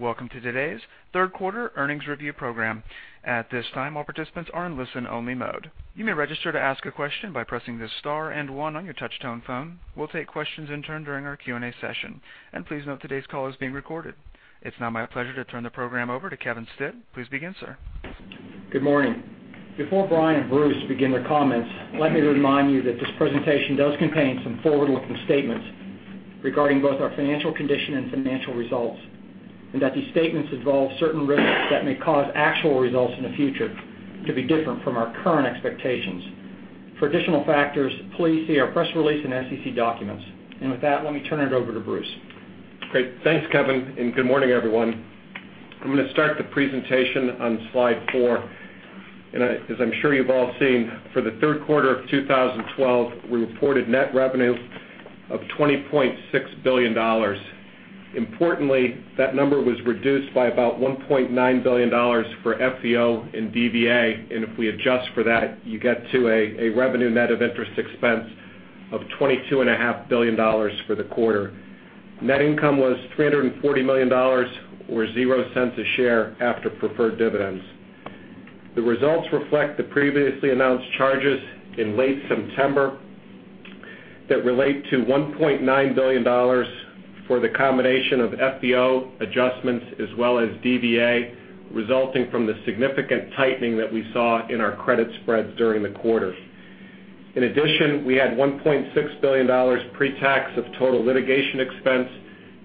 Welcome to today's third quarter earnings review program. At this time, all participants are in listen only mode. You may register to ask a question by pressing the star and one on your touch-tone phone. We'll take questions in turn during our Q&A session. Please note, today's call is being recorded. It's now my pleasure to turn the program over to Kevin Stitt. Please begin, sir. Good morning. Before Brian and Bruce begin their comments, let me remind you that this presentation does contain some forward-looking statements regarding both our financial condition and financial results, and that these statements involve certain risks that may cause actual results in the future to be different from our current expectations. For additional factors, please see our press release and SEC documents. With that, let me turn it over to Bruce. Great. Thanks, Kevin. Good morning, everyone. I'm going to start the presentation on slide four. As I'm sure you've all seen, for the third quarter of 2012, we reported net revenue of $20.6 billion. Importantly, that number was reduced by about $1.9 billion for FVO and DVA, and if we adjust for that, you get to a revenue net of interest expense of $22.5 billion for the quarter. Net income was $340 million, or $0.00 a share after preferred dividends. The results reflect the previously announced charges in late September that relate to $1.9 billion for the combination of FVO adjustments as well as DVA, resulting from the significant tightening that we saw in our credit spreads during the quarter. In addition, we had $1.6 billion pre-tax of total litigation expense,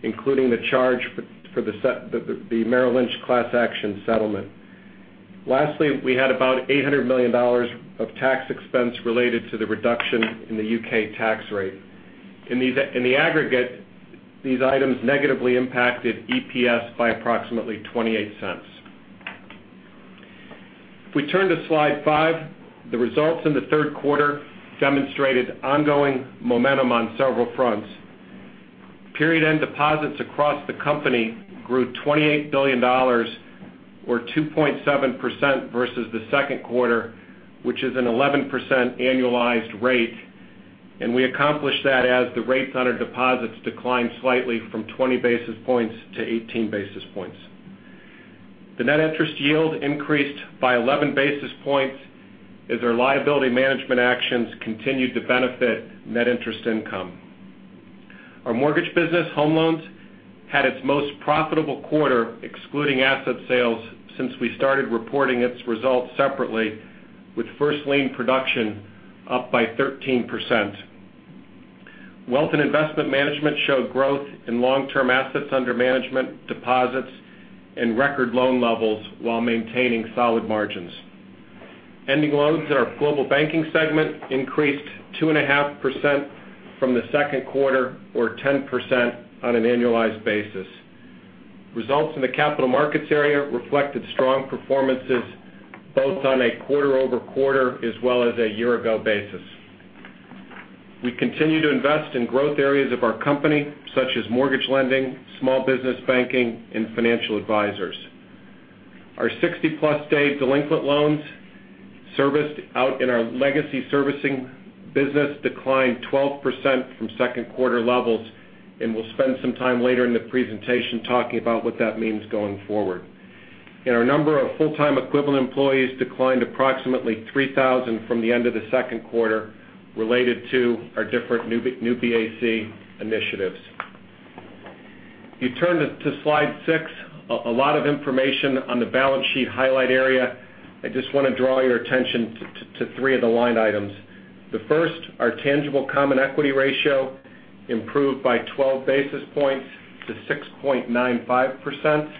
including the charge for the Merrill Lynch class action settlement. Lastly, we had about $800 million of tax expense related to the reduction in the U.K. tax rate. In the aggregate, these items negatively impacted EPS by approximately $0.28. If we turn to slide five, the results in the third quarter demonstrated ongoing momentum on several fronts. Period-end deposits across the company grew $28 billion, or 2.7% versus the second quarter, which is an 11% annualized rate, and we accomplished that as the rates on our deposits declined slightly from 20 basis points to 18 basis points. The net interest yield increased by 11 basis points as our liability management actions continued to benefit net interest income. Our mortgage business, Home Loans, had its most profitable quarter excluding asset sales since we started reporting its results separately, with first lien production up by 13%. Wealth and Investment Management showed growth in long-term assets under management deposits and record loan levels while maintaining solid margins. Ending loans in our Global Banking segment increased 2.5% from the second quarter, or 10% on an annualized basis. Results in the capital markets area reflected strong performances both on a quarter-over-quarter as well as a year-ago basis. We continue to invest in growth areas of our company, such as mortgage lending, small business banking, and financial advisors. Our 60-plus day delinquent loans serviced out in our legacy servicing business declined 12% from second quarter levels, and we will spend some time later in the presentation talking about what that means going forward. Our number of full-time equivalent employees declined approximately 3,000 from the end of the second quarter related to our different new BAC initiatives. If you turn to slide six, a lot of information on the balance sheet highlight area. I just want to draw your attention to three of the line items. The first, our tangible common equity ratio improved by 12 basis points to 6.95%.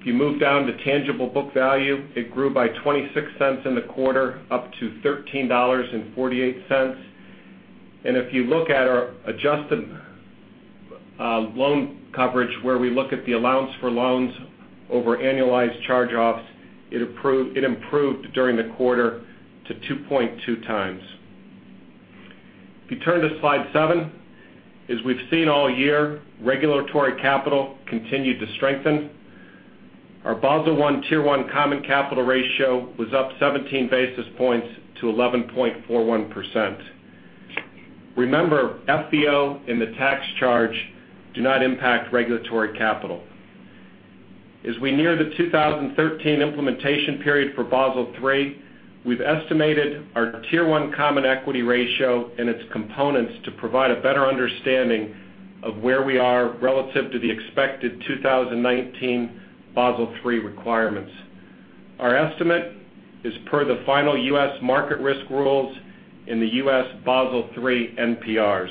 If you move down to tangible book value, it grew by $0.26 in the quarter up to $13.48. If you look at our adjusted loan coverage where we look at the allowance for loans over annualized charge-offs, it improved during the quarter to 2.2 times. If you turn to slide seven, as we have seen all year, regulatory capital continued to strengthen. Our Basel I Tier 1 common capital ratio was up 17 basis points to 11.41%. Remember, FVO and the tax charge do not impact regulatory capital. As we near the 2013 implementation period for Basel III, we have estimated our Tier 1 common equity ratio and its components to provide a better understanding of where we are relative to the expected 2019 Basel III requirements. Our estimate is per the final U.S. market risk rules in the U.S. Basel III NPRs.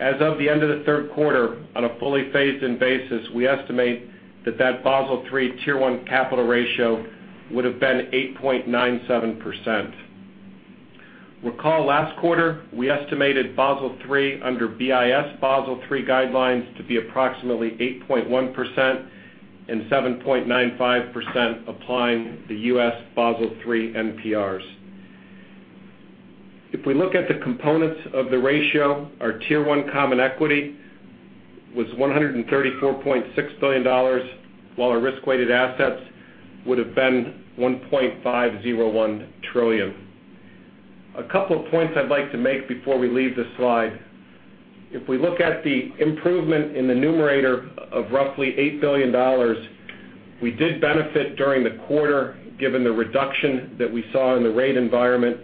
As of the end of the third quarter, on a fully phased-in basis, we estimate that that Basel III Tier 1 capital ratio would have been 8.97%. Recall last quarter, we estimated Basel III under BIS Basel III guidelines to be approximately 8.1% and 7.95% applying the U.S. Basel III NPRs. If we look at the components of the ratio, our Tier 1 common equity was $134.6 billion, while our risk-weighted assets would have been $1.501 trillion. A couple of points I would like to make before we leave this slide. If we look at the improvement in the numerator of roughly $8 billion, we did benefit during the quarter, given the reduction that we saw in the rate environment,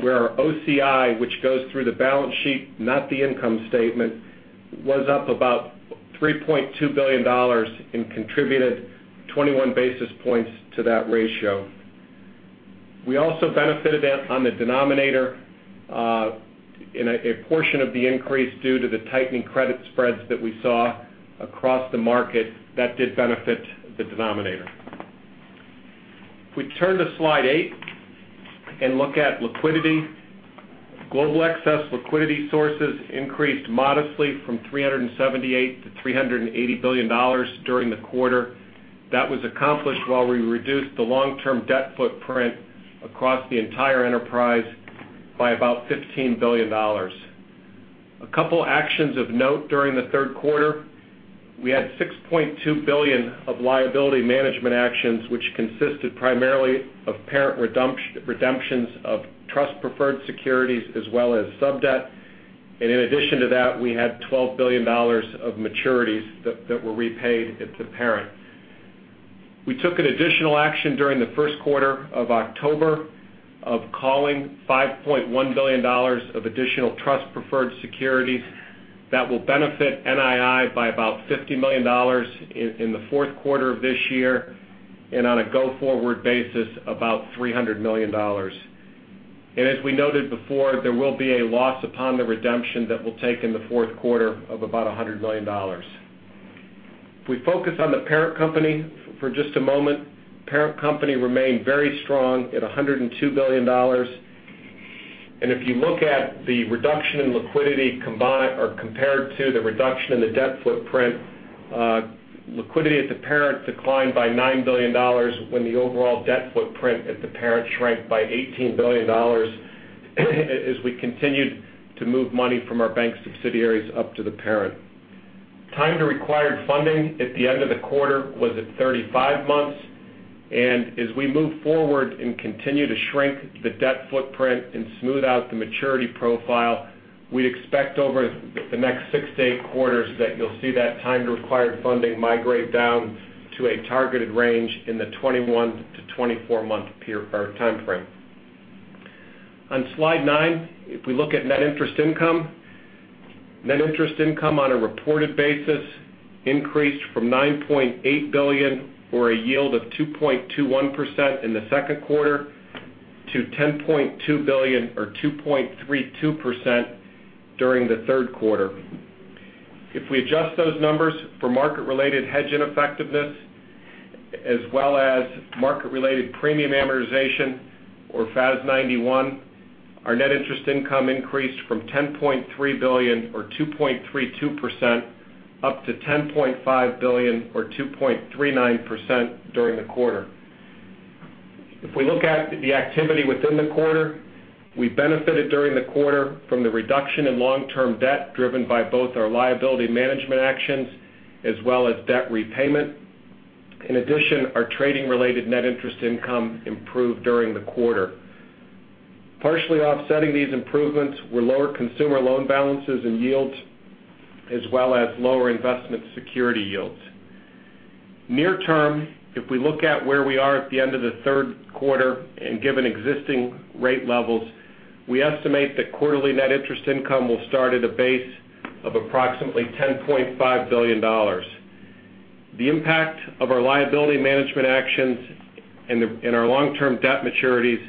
where our OCI, which goes through the balance sheet, not the income statement, was up about $3.2 billion and contributed 21 basis points to that ratio. We also benefited on the denominator in a portion of the increase due to the tightening credit spreads that we saw across the market. That did benefit the denominator. If we turn to slide eight and look at liquidity. Global excess liquidity sources increased modestly from $378 billion-$380 billion during the quarter. That was accomplished while we reduced the long-term debt footprint across the entire enterprise by about $15 billion. A couple actions of note during the third quarter. We had $6.2 billion of liability management actions, which consisted primarily of parent redemptions of trust preferred securities as well as sub-debt. In addition to that, we had $12 billion of maturities that were repaid at the parent. We took an additional action during the first quarter of October of calling $5.1 billion of additional trust preferred securities that will benefit NII by about $50 million in the fourth quarter of this year, and on a go-forward basis, about $300 million. As we noted before, there will be a loss upon the redemption that we'll take in the fourth quarter of about $100 million. If we focus on the parent company for just a moment. Parent company remained very strong at $102 billion. If you look at the reduction in liquidity compared to the reduction in the debt footprint, liquidity at the parent declined by $9 billion, when the overall debt footprint at the parent shrank by $18 billion as we continued to move money from our bank subsidiaries up to the parent. Time to required funding at the end of the quarter was at 35 months. As we move forward and continue to shrink the debt footprint and smooth out the maturity profile, we expect over the next six to eight quarters that you'll see that time to required funding migrate down to a targeted range in the 21 to 24-month timeframe. On slide nine, if we look at net interest income. Net interest income on a reported basis increased from $9.8 billion or a yield of 2.21% in the second quarter to $10.2 billion or 2.32% during the third quarter. If we adjust those numbers for market-related hedge ineffectiveness, as well as market-related premium amortization or FAS 91, our net interest income increased from $10.3 billion or 2.32%, up to $10.5 billion or 2.39% during the quarter. If we look at the activity within the quarter, we benefited during the quarter from the reduction in long-term debt, driven by both our liability management actions as well as debt repayment. In addition, our trading-related net interest income improved during the quarter. Partially offsetting these improvements were lower consumer loan balances and yields, as well as lower investment security yields. Near term, if we look at where we are at the end of the third quarter and given existing rate levels, we estimate that quarterly net interest income will start at a base of approximately $10.5 billion. The impact of our liability management actions and our long-term debt maturities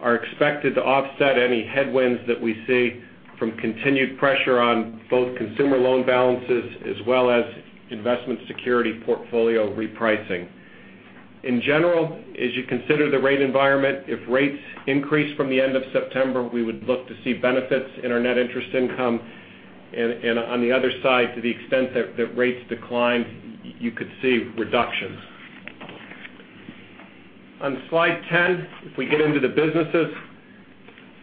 are expected to offset any headwinds that we see from continued pressure on both consumer loan balances as well as investment security portfolio repricing. In general, as you consider the rate environment, if rates increase from the end of September, we would look to see benefits in our net interest income. On the other side, to the extent that rates decline, you could see reductions. On slide 10, if we get into the businesses.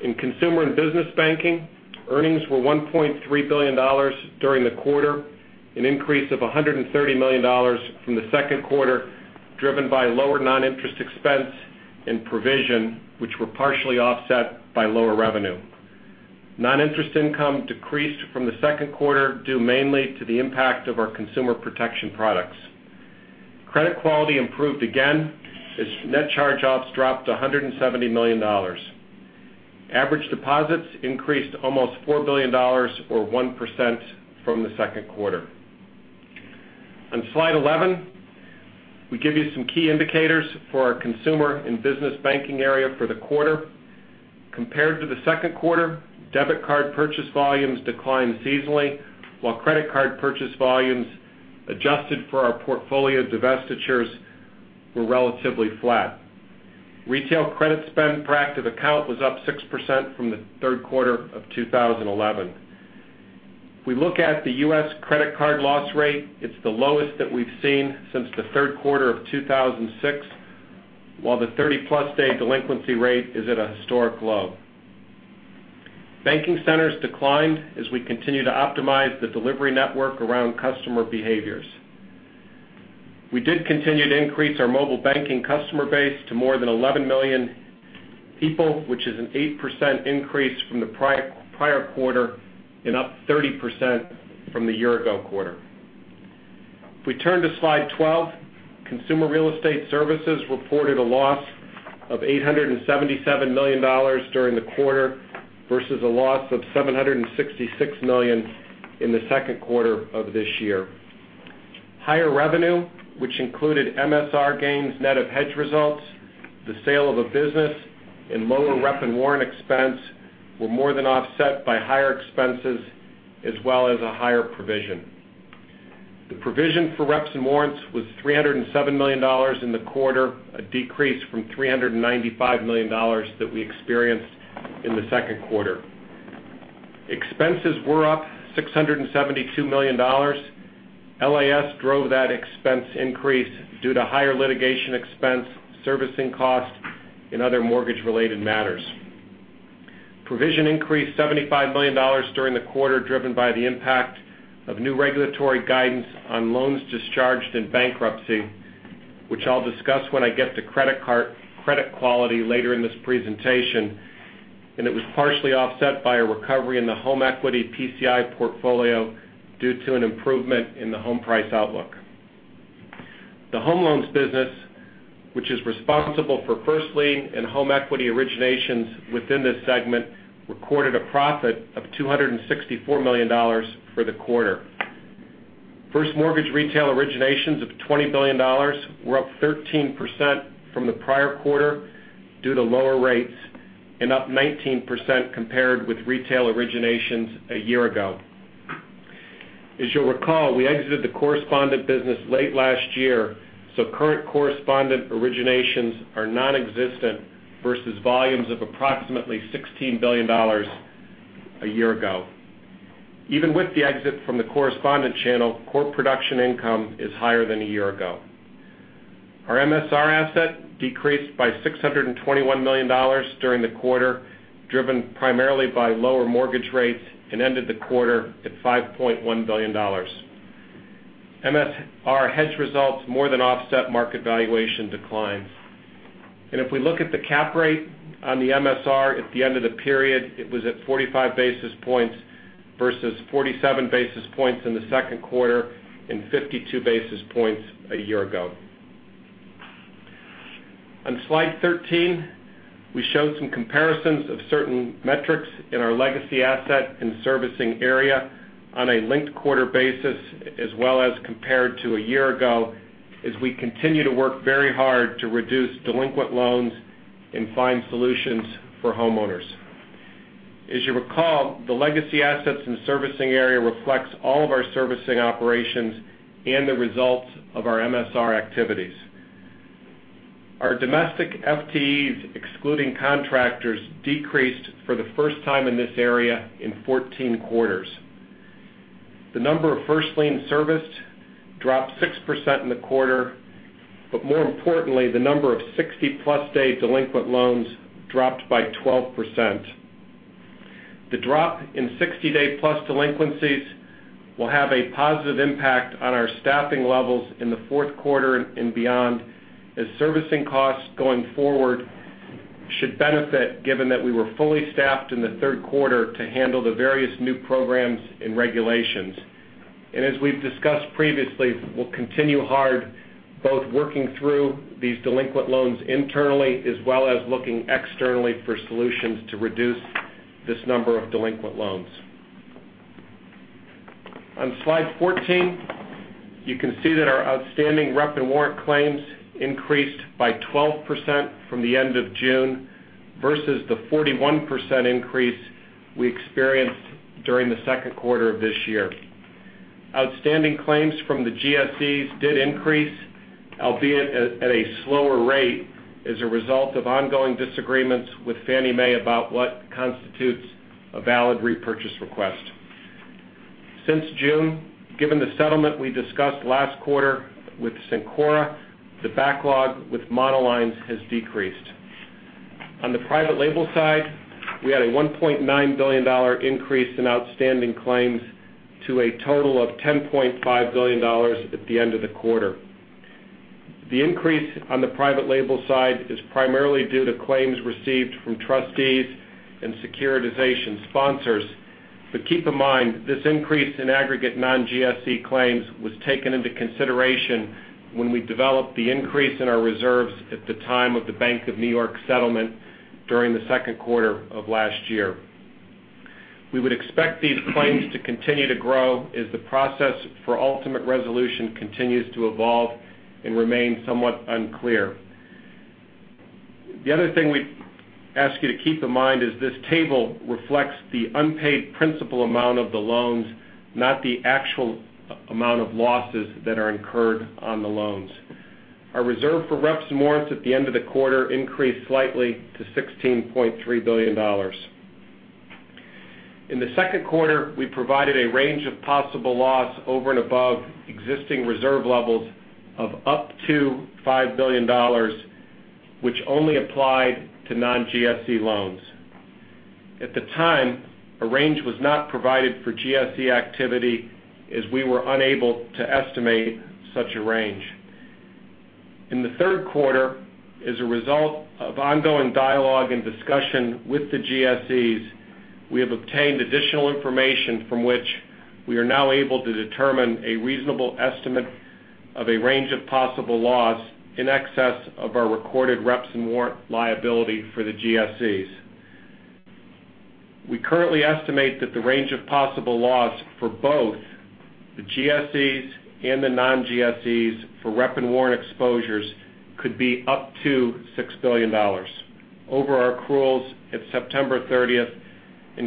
In Consumer & Business Banking, earnings were $1.3 billion during the quarter, an increase of $130 million from the second quarter, driven by lower non-interest expense and provision, which were partially offset by lower revenue. Non-interest income decreased from the second quarter, due mainly to the impact of our consumer protection products. Credit quality improved again as net charge-offs dropped $170 million. Average deposits increased almost $4 billion, or 1% from the second quarter. On slide 11, we give you some key indicators for our Consumer & Business Banking area for the quarter. Compared to the second quarter, debit card purchase volumes declined seasonally, while credit card purchase volumes, adjusted for our portfolio divestitures, were relatively flat. Retail credit spend per active account was up 6% from the third quarter of 2011. If we look at the U.S. credit card loss rate, it's the lowest that we've seen since the third quarter of 2006, while the 30-plus day delinquency rate is at a historic low. Banking centers declined as we continue to optimize the delivery network around customer behaviors. We did continue to increase our mobile banking customer base to more than 11 million people, which is an 8% increase from the prior quarter and up 30% from the year-ago quarter. If we turn to slide 12, Consumer Real Estate Services reported a loss of $877 million during the quarter versus a loss of $766 million in the second quarter of this year. Higher revenue, which included MSR gains net of hedge results, the sale of a business, and lower rep and warrant expense were more than offset by higher expenses as well as a higher provision. The provision for reps and warrants was $307 million in the quarter, a decrease from $395 million that we experienced in the second quarter. Expenses were up $672 million. LAS drove that expense increase due to higher litigation expense, servicing costs, and other mortgage-related matters. Provision increased $75 million during the quarter, driven by the impact of new regulatory guidance on loans discharged in bankruptcy, which I'll discuss when I get to credit quality later in this presentation, and it was partially offset by a recovery in the home equity PCI portfolio due to an improvement in the home price outlook. The home loans business, which is responsible for first lien and home equity originations within this segment, recorded a profit of $264 million for the quarter. First mortgage retail originations of $20 billion were up 13% from the prior quarter due to lower rates and up 19% compared with retail originations a year ago. As you'll recall, we exited the correspondent business late last year, so current correspondent originations are nonexistent versus volumes of approximately $16 billion a year ago. Even with the exit from the correspondent channel, core production income is higher than a year ago. Our MSR asset decreased by $621 million during the quarter, driven primarily by lower mortgage rates and ended the quarter at $5.1 billion. MSR hedge results more than offset market valuation declines. And if we look at the cap rate on the MSR at the end of the period, it was at 45 basis points versus 47 basis points in the second quarter and 52 basis points a year ago. On slide 13, we show some comparisons of certain metrics in our legacy asset and servicing area on a linked-quarter basis as well as compared to a year ago, as we continue to work very hard to reduce delinquent loans and find solutions for homeowners. As you recall, the legacy assets and servicing area reflects all of our servicing operations and the results of our MSR activities. Our domestic FTEs, excluding contractors, decreased for the first time in this area in 14 quarters. The number of first lien serviced dropped 6% in the quarter, but more importantly, the number of 60-plus day delinquent loans dropped by 12%. The drop in 60-day plus delinquencies will have a positive impact on our staffing levels in the fourth quarter and beyond, as servicing costs going forward should benefit given that we were fully staffed in the third quarter to handle the various new programs and regulations. As we've discussed previously, we'll continue hard both working through these delinquent loans internally as well as looking externally for solutions to reduce this number of delinquent loans. On slide 14, you can see that our outstanding rep and warrant claims increased by 12% from the end of June versus the 41% increase we experienced during the second quarter of this year. Outstanding claims from the GSEs did increase, albeit at a slower rate, as a result of ongoing disagreements with Fannie Mae about what constitutes a valid repurchase request. Since June, given the settlement we discussed last quarter with Syncora, the backlog with monolines has decreased. On the private label side, we had a $1.9 billion increase in outstanding claims to a total of $10.5 billion at the end of the quarter. The increase on the private label side is primarily due to claims received from trustees and securitization sponsors. Keep in mind, this increase in aggregate non-GSE claims was taken into consideration when we developed the increase in our reserves at the time of the Bank of New York settlement during the second quarter of last year. We would expect these claims to continue to grow as the process for ultimate resolution continues to evolve and remain somewhat unclear. The other thing we ask you to keep in mind is this table reflects the unpaid principal amount of the loans, not the actual amount of losses that are incurred on the loans. Our reserve for reps and warrants at the end of the quarter increased slightly to $16.3 billion. In the second quarter, we provided a range of possible loss over and above existing reserve levels of up to $5 billion, which only applied to non-GSE loans. At the time, a range was not provided for GSE activity as we were unable to estimate such a range. In the third quarter, as a result of ongoing dialogue and discussion with the GSEs, we have obtained additional information from which we are now able to determine a reasonable estimate of a range of possible loss in excess of our recorded reps and warrant liability for the GSEs. We currently estimate that the range of possible loss for both the GSEs and the non-GSEs for rep and warrant exposures could be up to $6 billion over our accruals at September 30th,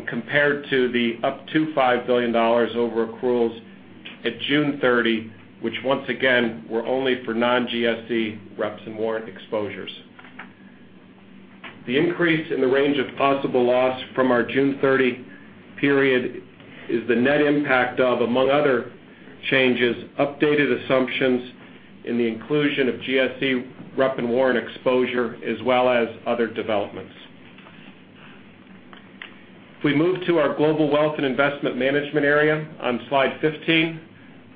compared to the up to $5 billion over accruals at June 30, which once again, were only for non-GSE reps and warrant exposures. The increase in the range of possible loss from our June 30 period is the net impact of, among other changes, updated assumptions in the inclusion of GSE rep and warrant exposure, as well as other developments. If we move to our Global Wealth and Investment Management area on Slide 15,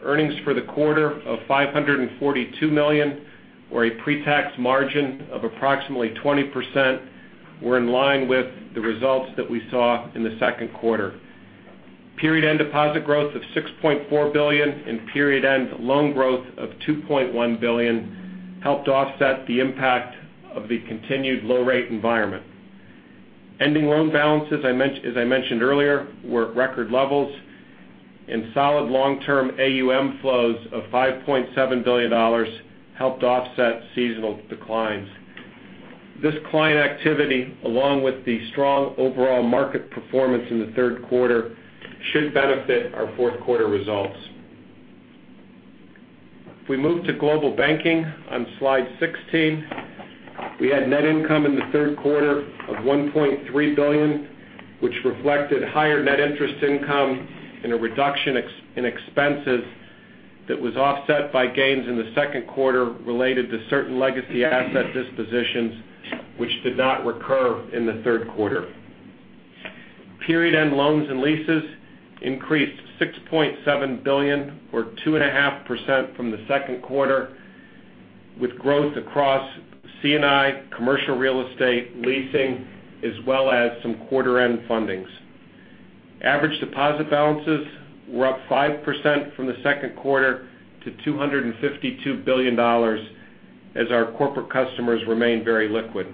earnings for the quarter of $542 million, or a pre-tax margin of approximately 20%, were in line with the results that we saw in the second quarter. Period-end deposit growth of $6.4 billion and period-end loan growth of $2.1 billion helped offset the impact of the continued low-rate environment. Ending loan balances, as I mentioned earlier, were at record levels, and solid long-term AUM flows of $5.7 billion helped offset seasonal declines. This client activity, along with the strong overall market performance in the third quarter, should benefit our fourth quarter results. If we move to Global Banking on Slide 16, we had net income in the third quarter of $1.3 billion, which reflected higher net interest income and a reduction in expenses that was offset by gains in the second quarter related to certain legacy asset dispositions, which did not recur in the third quarter. Period-end loans and leases increased to $6.7 billion, or 2.5% from the second quarter, with growth across C&I, commercial real estate, leasing, as well as some quarter-end fundings. Average deposit balances were up 5% from the second quarter to $252 billion as our corporate customers remained very liquid.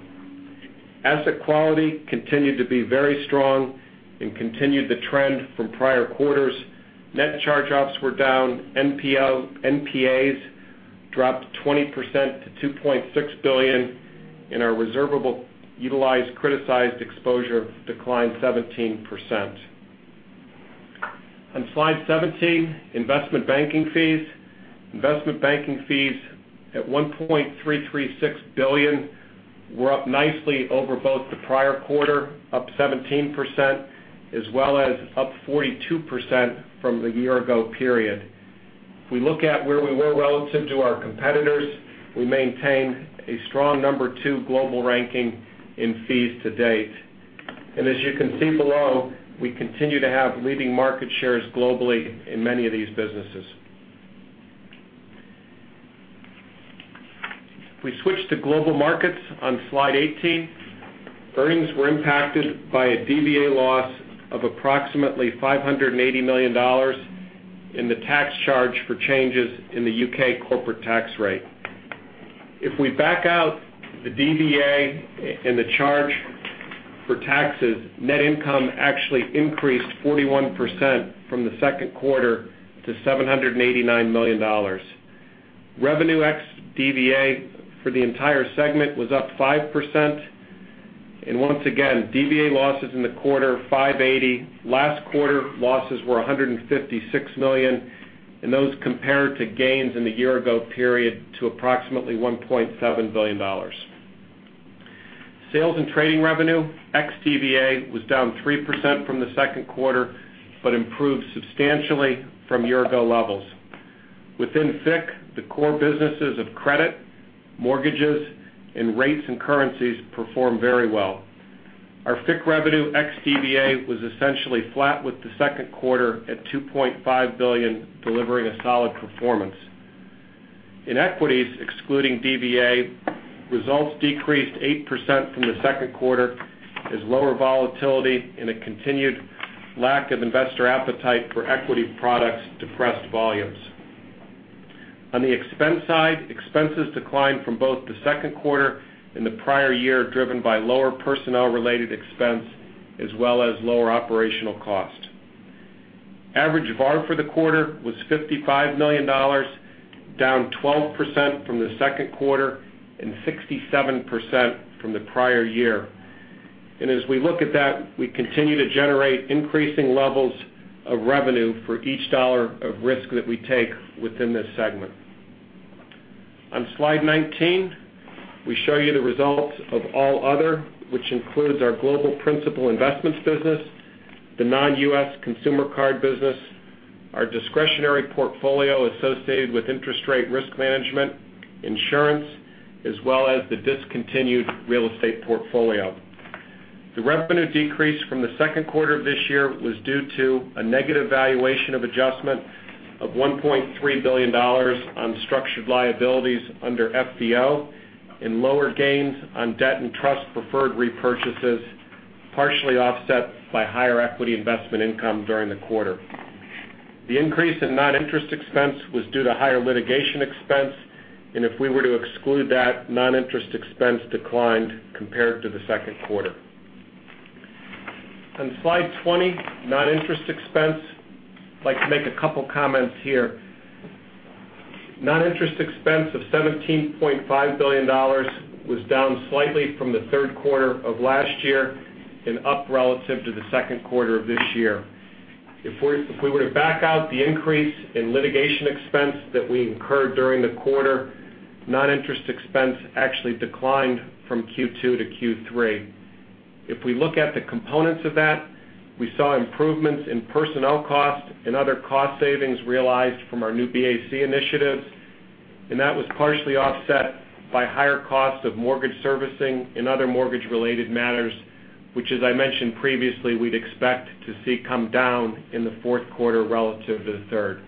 Asset quality continued to be very strong and continued the trend from prior quarters. Net charge-offs were down. NPAs dropped 20% to $2.6 billion, and our reservable utilized criticized exposure declined 17%. On Slide 17, investment banking fees. Investment banking fees at $1.336 billion were up nicely over both the prior quarter, up 17%, as well as up 42% from the year-ago period. If we look at where we were relative to our competitors, we maintained a strong number two global ranking in fees to date. As you can see below, we continue to have leading market shares globally in many of these businesses. If we switch to Global Markets on Slide 18, earnings were impacted by a DVA loss of approximately $580 million in the tax charge for changes in the U.K. corporate tax rate. If we back out the DVA and the charge for taxes, net income actually increased 41% from the second quarter to $789 million. Revenue ex DVA for the entire segment was up 5%. Once again, DVA losses in the quarter, $580 million. Last quarter, losses were $156 million. Those compared to gains in the year-ago period to approximately $1.7 billion. Sales and trading revenue, ex DVA, was down 3% from the second quarter, but improved substantially from year-ago levels. Within FIC, the core businesses of credit, mortgages, and rates and currencies performed very well. Our FIC revenue, ex DVA, was essentially flat with the second quarter at $2.5 billion, delivering a solid performance. In equities, excluding DVA, results decreased 8% from the second quarter as lower volatility and a continued lack of investor appetite for equity products depressed volumes. On the expense side, expenses declined from both the second quarter and the prior year, driven by lower personnel-related expense as well as lower operational cost. Average RAR for the quarter was $55 million, down 12% from the second quarter and 67% from the prior year. As we look at that, we continue to generate increasing levels of revenue for each dollar of risk that we take within this segment. On Slide 19, we show you the results of all other, which includes our global principal investments business, the non-U.S. consumer card business. Our discretionary portfolio associated with interest rate risk management, insurance, as well as the discontinued real estate portfolio. The revenue decrease from the second quarter of this year was due to a negative valuation of adjustment of $1.3 billion on structured liabilities under FVO and lower gains on debt and trust preferred repurchases, partially offset by higher equity investment income during the quarter. The increase in non-interest expense was due to higher litigation expense. If we were to exclude that, non-interest expense declined compared to the second quarter. On Slide 20, non-interest expense. I would like to make a couple of comments here. Non-interest expense of $17.5 billion was down slightly from the third quarter of last year and up relative to the second quarter of this year. If we were to back out the increase in litigation expense that we incurred during the quarter, non-interest expense actually declined from Q2 to Q3. If we look at the components of that, we saw improvements in personnel cost and other cost savings realized from our new BAC initiatives. That was partially offset by higher costs of mortgage servicing and other mortgage-related matters, which as I mentioned previously, we would expect to see come down in the fourth quarter relative to the third.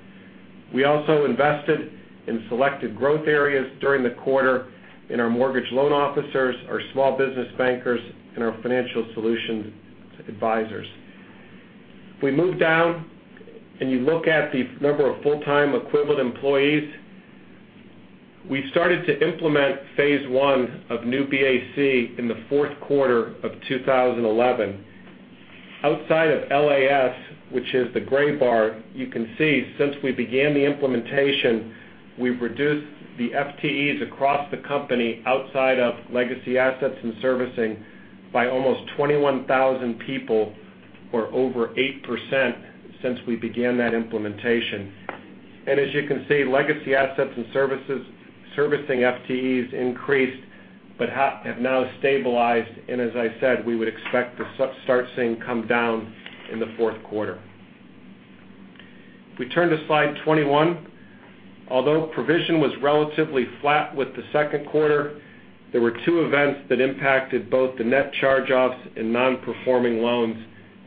We also invested in selected growth areas during the quarter in our mortgage loan officers, our small business bankers, and our Financial Solutions Advisors. If we move down and you look at the number of full-time equivalent employees, we started to implement phase 1 of new BAC in the fourth quarter of 2011. Outside of LAS, which is the gray bar, you can see since we began the implementation, we have reduced the FTEs across the company outside of legacy assets and servicing by almost 21,000 people or over 8% since we began that implementation. As you can see, legacy assets and services servicing FTEs increased, but have now stabilized, and as I said, we would expect to start seeing come down in the fourth quarter. If we turn to Slide 21. Although provision was relatively flat with the second quarter, there were two events that impacted both the net charge-offs and non-performing loans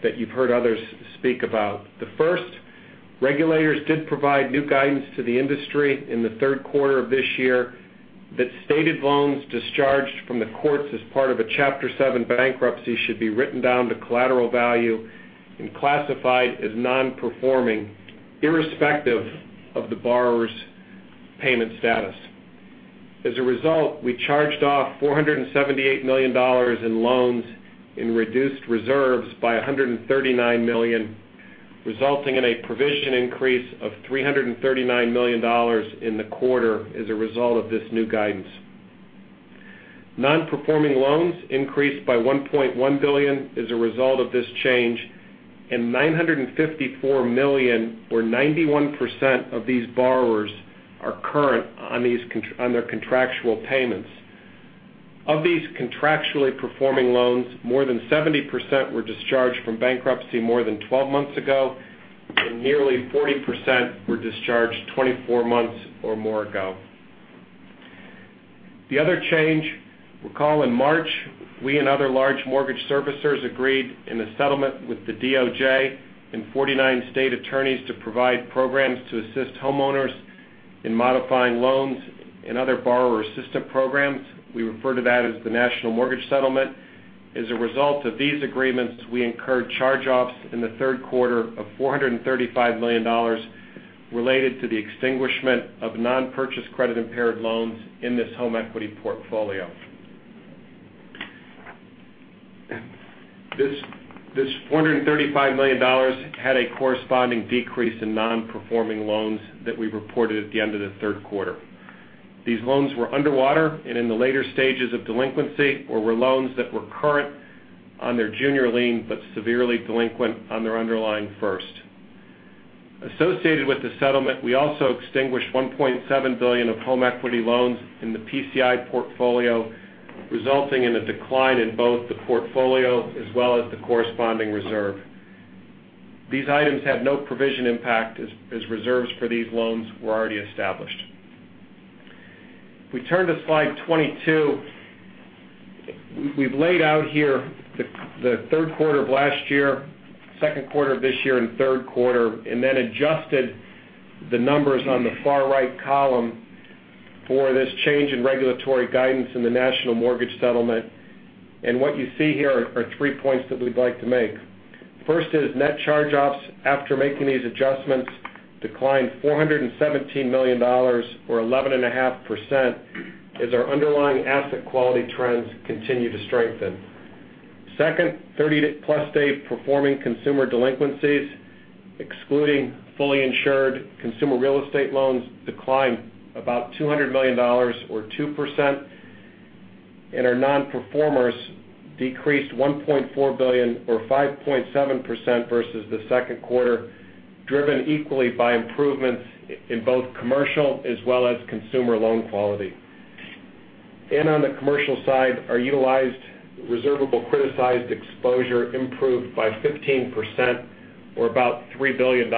that you have heard others speak about. The first, regulators did provide new guidance to the industry in the third quarter of this year that stated loans discharged from the courts as part of a Chapter 7 bankruptcy should be written down to collateral value and classified as non-performing, irrespective of the borrower's payment status. As a result, we charged off $478 million in loans and reduced reserves by $139 million, resulting in a provision increase of $339 million in the quarter as a result of this new guidance. Non-performing loans increased by $1.1 billion as a result of this change, and $954 million, where 91% of these borrowers are current on their contractual payments. Of these contractually performing loans, more than 70% were discharged from bankruptcy more than 12 months ago, and nearly 40% were discharged 24 months or more ago. The other change, recall in March, we and other large mortgage servicers agreed in a settlement with the DOJ and 49 state attorneys to provide programs to assist homeowners in modifying loans and other borrower assistance programs. We refer to that as the National Mortgage Settlement. As a result of these agreements, we incurred charge-offs in the third quarter of $435 million related to the extinguishment of non-purchase credit-impaired loans in this home equity portfolio. This $435 million had a corresponding decrease in non-performing loans that we reported at the end of the third quarter. These loans were underwater and in the later stages of delinquency or were loans that were current on their junior lien but severely delinquent on their underlying first. Associated with the settlement, we also extinguished $1.7 billion of home equity loans in the PCI portfolio, resulting in a decline in both the portfolio as well as the corresponding reserve. These items have no provision impact as reserves for these loans were already established. If we turn to Slide 22. We've laid out here the third quarter of last year, second quarter of this year, and third quarter, then adjusted the numbers on the far right column for this change in regulatory guidance in the National Mortgage Settlement. What you see here are three points that we'd like to make. First is net charge-offs, after making these adjustments, declined $417 million, or 11.5%, as our underlying asset quality trends continue to strengthen. Second, 30-plus day performing consumer delinquencies, excluding fully insured consumer real estate loans, declined about $200 million or 2%. Our non-performers decreased $1.4 billion or 5.7% versus the second quarter, driven equally by improvements in both commercial as well as consumer loan quality. On the commercial side, our utilized reservable criticized exposure improved by 15%, or about $3 billion.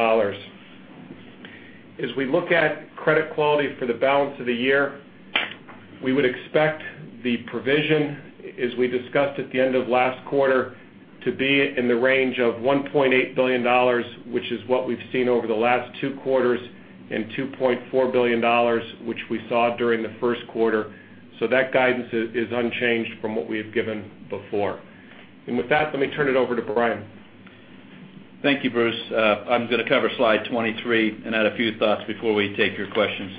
As we look at credit quality for the balance of the year, we would expect the provision, as we discussed at the end of last quarter, to be in the range of $1.8 billion, which is what we've seen over the last two quarters, and $2.4 billion, which we saw during the first quarter. That guidance is unchanged from what we have given before. With that, let me turn it over to Brian. Thank you, Bruce. I'm going to cover slide 23 and add a few thoughts before we take your questions.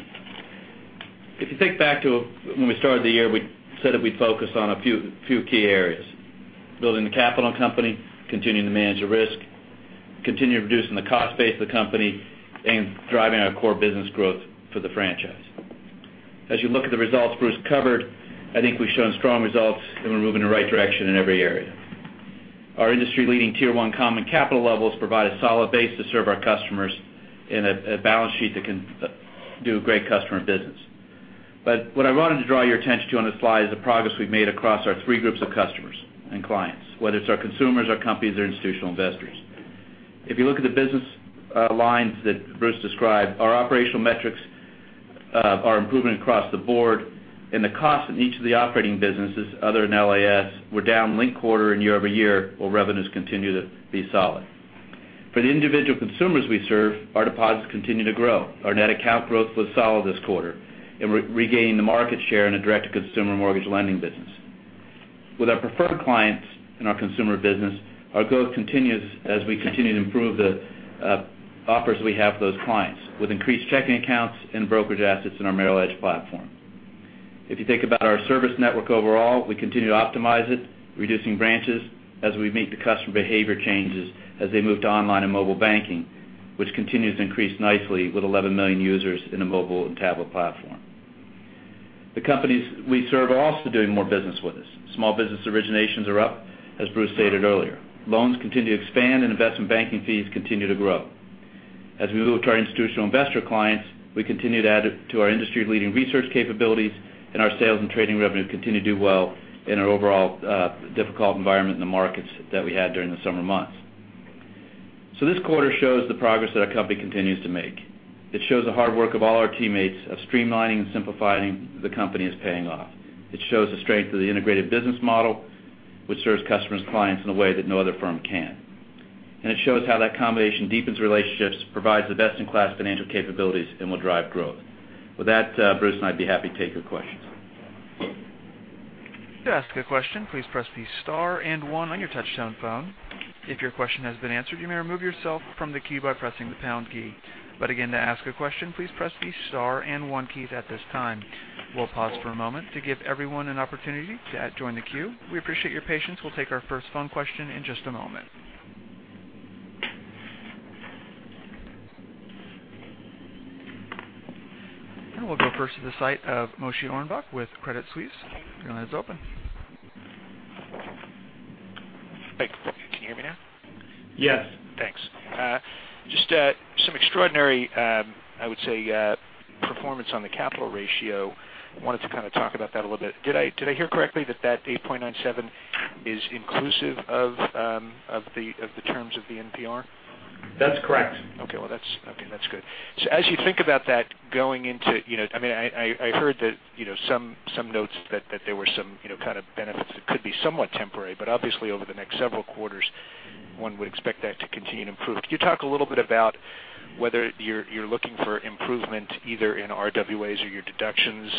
If you think back to when we started the year, we said that we'd focus on a few key areas: building the capital and company, continuing to manage the risk, continuing reducing the cost base of the company, and driving our core business growth for the franchise. As you look at the results Bruce covered, I think we've shown strong results and we're moving in the right direction in every area. Our industry-leading Tier 1 common capital levels provide a solid base to serve our customers and a balance sheet that can do great customer business. What I wanted to draw your attention to on this slide is the progress we've made across our three groups of customers and clients, whether it's our consumers, our companies, or institutional investors. If you look at the business lines that Bruce described, our operational metrics are improving across the board. The cost in each of the operating businesses, other than LAS, were down linked quarter and year-over-year, while revenues continue to be solid. For the individual consumers we serve, our deposits continue to grow. Our net account growth was solid this quarter, and we're regaining the market share in the direct-to-consumer mortgage lending business. With our preferred clients and our consumer business, our growth continues as we continue to improve the offers we have for those clients, with increased checking accounts and brokerage assets in our Merrill Edge platform. If you think about our service network overall, we continue to optimize it, reducing branches as we meet the customer behavior changes as they move to online and mobile banking, which continues to increase nicely with 11 million users in a mobile and tablet platform. The companies we serve are also doing more business with us. Small business originations are up, as Bruce stated earlier. Loans continue to expand, and investment banking fees continue to grow. As we look to our institutional investor clients, we continue to add to our industry-leading research capabilities, and our sales and trading revenue continue to do well in an overall difficult environment in the markets that we had during the summer months. This quarter shows the progress that our company continues to make. It shows the hard work of all our teammates of streamlining and simplifying the company is paying off. It shows the strength of the integrated business model, which serves customers and clients in a way that no other firm can. It shows how that combination deepens relationships, provides the best-in-class financial capabilities, and will drive growth. With that, Bruce and I'd be happy to take your questions. To ask a question, please press the star and one on your touchtone phone. If your question has been answered, you may remove yourself from the queue by pressing the pound key. Again, to ask a question, please press the star and one keys at this time. We'll pause for a moment to give everyone an opportunity to join the queue. We appreciate your patience. We'll take our first phone question in just a moment. We'll go first to the site of Moshe Orenbuch with Credit Suisse. Your line is open. Hey, can you hear me now? Yes. Thanks. Just some extraordinary, I would say, performance on the capital ratio. Wanted to kind of talk about that a little bit. Did I hear correctly that that 8.97 is inclusive of the terms of the NPR? That's correct. Okay. Well, that's good. As you think about that going into I heard that some notes that there were some kind of benefits that could be somewhat temporary, but obviously over the next several quarters, one would expect that to continue to improve. Could you talk a little bit about whether you're looking for improvement either in RWAs or your deductions?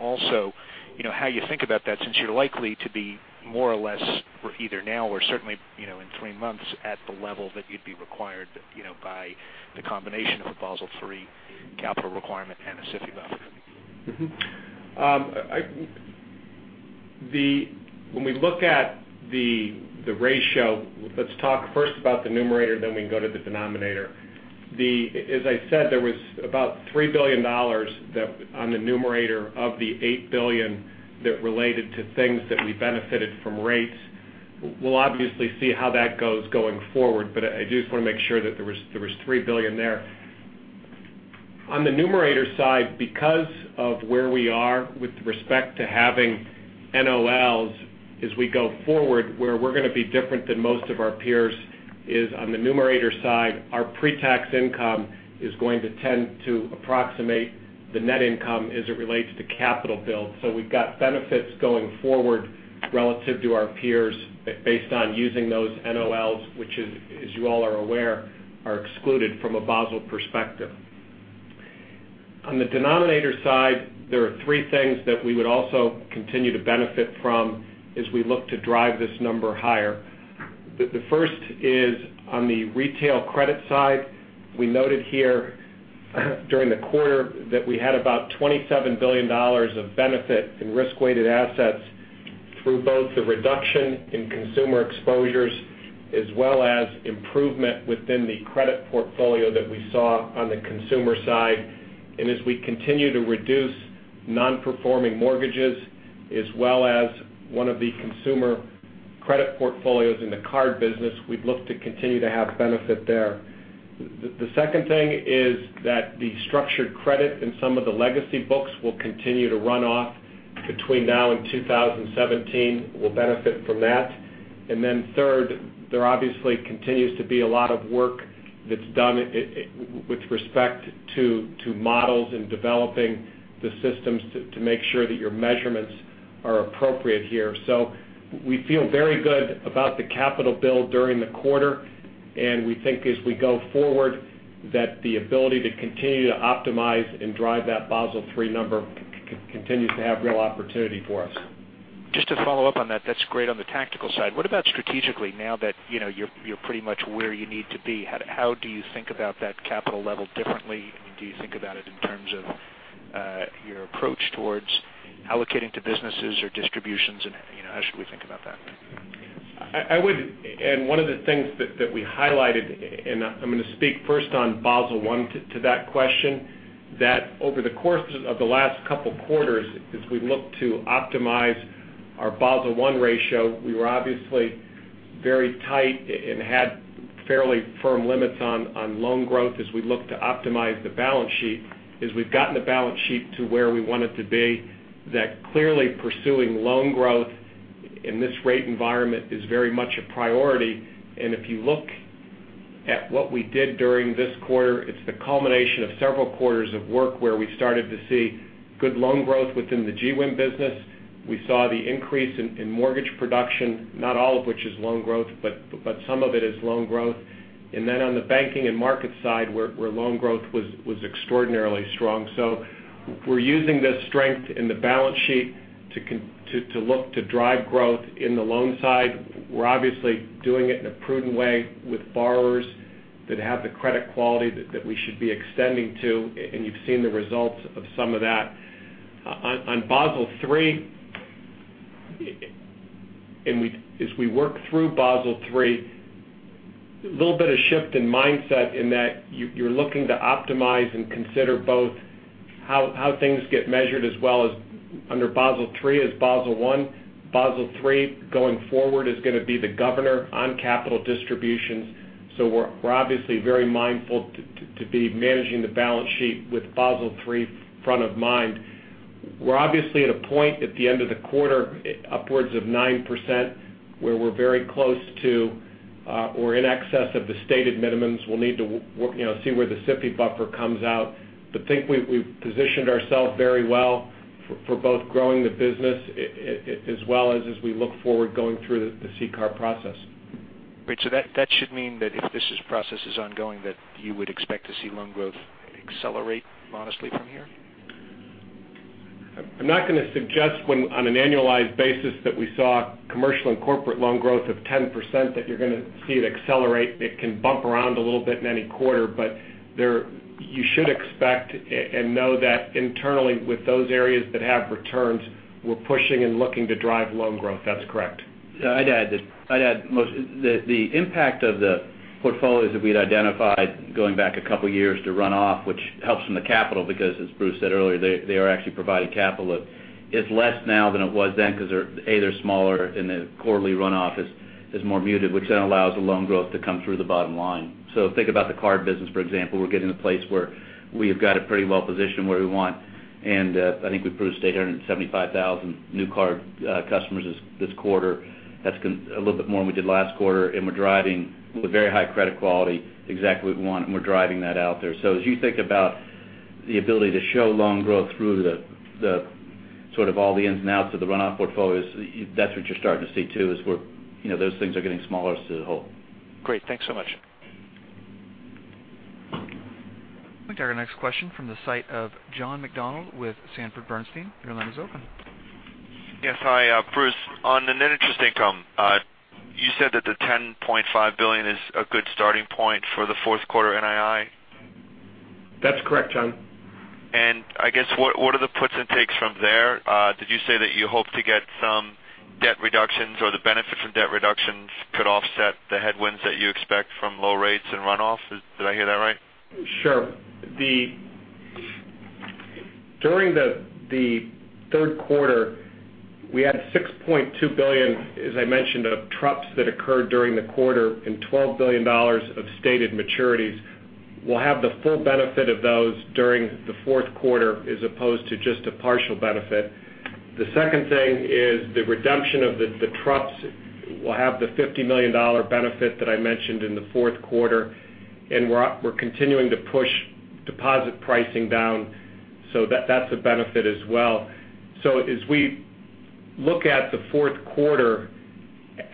Also, how you think about that since you're likely to be more or less either now or certainly in three months at the level that you'd be required by the combination of a Basel III capital requirement and a SIFI buffer. When we look at the ratio, let's talk first about the numerator, then we can go to the denominator. As I said, there was about $3 billion on the numerator of the $8 billion that related to things that we benefited from rates. We'll obviously see how that goes going forward, but I do just want to make sure that there was $3 billion there. On the numerator side, because of where we are with respect to having NOLs as we go forward, where we're going to be different than most of our peers is on the numerator side, our pre-tax income is going to tend to approximate the net income as it relates to capital build. We've got benefits going forward relative to our peers based on using those NOLs, which as you all are aware, are excluded from a Basel perspective. On the denominator side, there are three things that we would also continue to benefit from as we look to drive this number higher. The first is on the retail credit side. We noted here during the quarter that we had about $27 billion of benefit in risk-weighted assets through both the reduction in consumer exposures, as well as improvement within the credit portfolio that we saw on the consumer side. As we continue to reduce non-performing mortgages, as well as one of the consumer Credit portfolios in the card business, we'd look to continue to have benefit there. The second thing is that the structured credit in some of the legacy books will continue to run off between now and 2017. We'll benefit from that. Third, there obviously continues to be a lot of work that's done with respect to models and developing the systems to make sure that your measurements are appropriate here. We feel very good about the capital build during the quarter, and we think as we go forward, that the ability to continue to optimize and drive that Basel III number continues to have real opportunity for us. Just to follow up on that's great on the tactical side. What about strategically now that you're pretty much where you need to be? How do you think about that capital level differently? Do you think about it in terms of your approach towards allocating to businesses or distributions, and how should we think about that? One of the things that we highlighted, I'm going to speak first on Basel I to that question, that over the course of the last couple of quarters, as we've looked to optimize our Basel I ratio, we were obviously very tight and had fairly firm limits on loan growth as we look to optimize the balance sheet, as we've gotten the balance sheet to where we want it to be, that clearly pursuing loan growth in this rate environment is very much a priority. If you look at what we did during this quarter, it's the culmination of several quarters of work where we started to see good loan growth within the GWIM business. We saw the increase in mortgage production, not all of which is loan growth, but some of it is loan growth. On the banking and market side, where loan growth was extraordinarily strong. We're using this strength in the balance sheet to look to drive growth in the loan side. We're obviously doing it in a prudent way with borrowers that have the credit quality that we should be extending to, and you've seen the results of some of that. On Basel III, as we work through Basel III, a little bit of shift in mindset in that you're looking to optimize and consider both how things get measured as well as under Basel III as Basel I. Basel III going forward is going to be the governor on capital distributions. We're obviously very mindful to be managing the balance sheet with Basel III front of mind. We're obviously at a point at the end of the quarter, upwards of 9%, where we're very close to or in excess of the stated minimums. We'll need to see where the G-SIB buffer comes out. I think we've positioned ourselves very well for both growing the business as well as we look forward going through the CCAR process. Great. That should mean that if this process is ongoing, that you would expect to see loan growth accelerate modestly from here? I'm not going to suggest when on an annualized basis that we saw commercial and corporate loan growth of 10%, that you're going to see it accelerate. It can bump around a little bit in any quarter, but you should expect and know that internally with those areas that have returns, we're pushing and looking to drive loan growth. That's correct. I'd add the impact of the portfolios that we had identified going back a couple years to run off, which helps from the capital because as Bruce said earlier, they are actually providing capital. It's less now than it was then because, A, they're smaller and the quarterly runoff is more muted, which then allows the loan growth to come through the bottom line. Think about the card business, for example. We're getting to a place where we have got it pretty well positioned where we want, and I think Bruce stated at 75,000 new card customers this quarter. That's a little bit more than we did last quarter, and we're driving with very high credit quality, exactly what we want, and we're driving that out there. As you think about the ability to show loan growth through the sort of all the ins and outs of the runoff portfolios, that's what you're starting to see too, is those things are getting smaller as to the whole. Great. Thanks so much. We take our next question from the site of John McDonald with Sanford Bernstein. Your line is open. Yes. Hi, Bruce. On the net interest income, you said that the $10.5 billion is a good starting point for the fourth quarter NII? That's correct, John. What are the puts and takes from there? Did you say that you hope to get some debt reductions or the benefit from debt reductions could offset the headwinds that you expect from low rates and runoff? Did I hear that right? Sure. During the third quarter, we had $6.2 billion, as I mentioned, of TruPS that occurred during the quarter, and $12 billion of stated maturities. We'll have the full benefit of those during the fourth quarter as opposed to just a partial benefit. The second thing is the redemption of the TruPS will have the $50 million benefit that I mentioned in the fourth quarter, and we're continuing to push deposit pricing down. That's a benefit as well. As we look at the fourth quarter,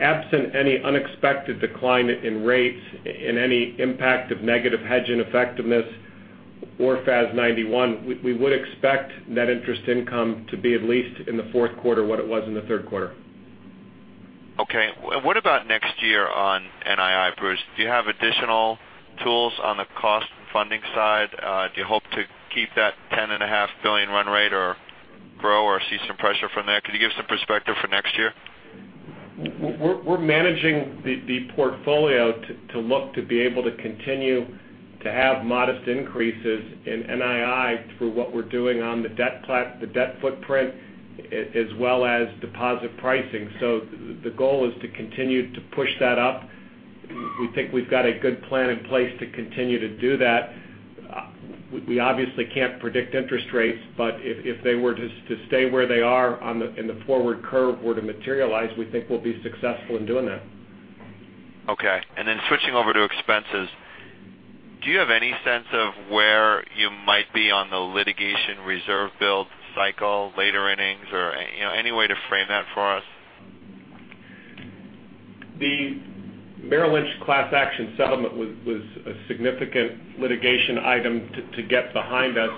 absent any unexpected decline in rates and any impact of negative hedge in effectiveness or FAS 91, we would expect net interest income to be at least in the fourth quarter what it was in the third quarter. Okay. What about next year on NII, Bruce? Do you have additional tools on the cost and funding side? Do you hope to keep that $10.5 billion run rate or grow or see some pressure from there? Could you give some perspective for next year? We're managing the portfolio to look to be able to continue to have modest increases in NII through what we're doing on the debt footprint, as well as deposit pricing. The goal is to continue to push that up. We think we've got a good plan in place to continue to do that. We obviously can't predict interest rates, but if they were to stay where they are in the forward curve were to materialize, we think we'll be successful in doing that. Okay. Switching over to expenses, do you have any sense of where you might be on the litigation reserve build cycle later innings or any way to frame that for us? The Merrill Lynch class action settlement was a significant litigation item to get behind us.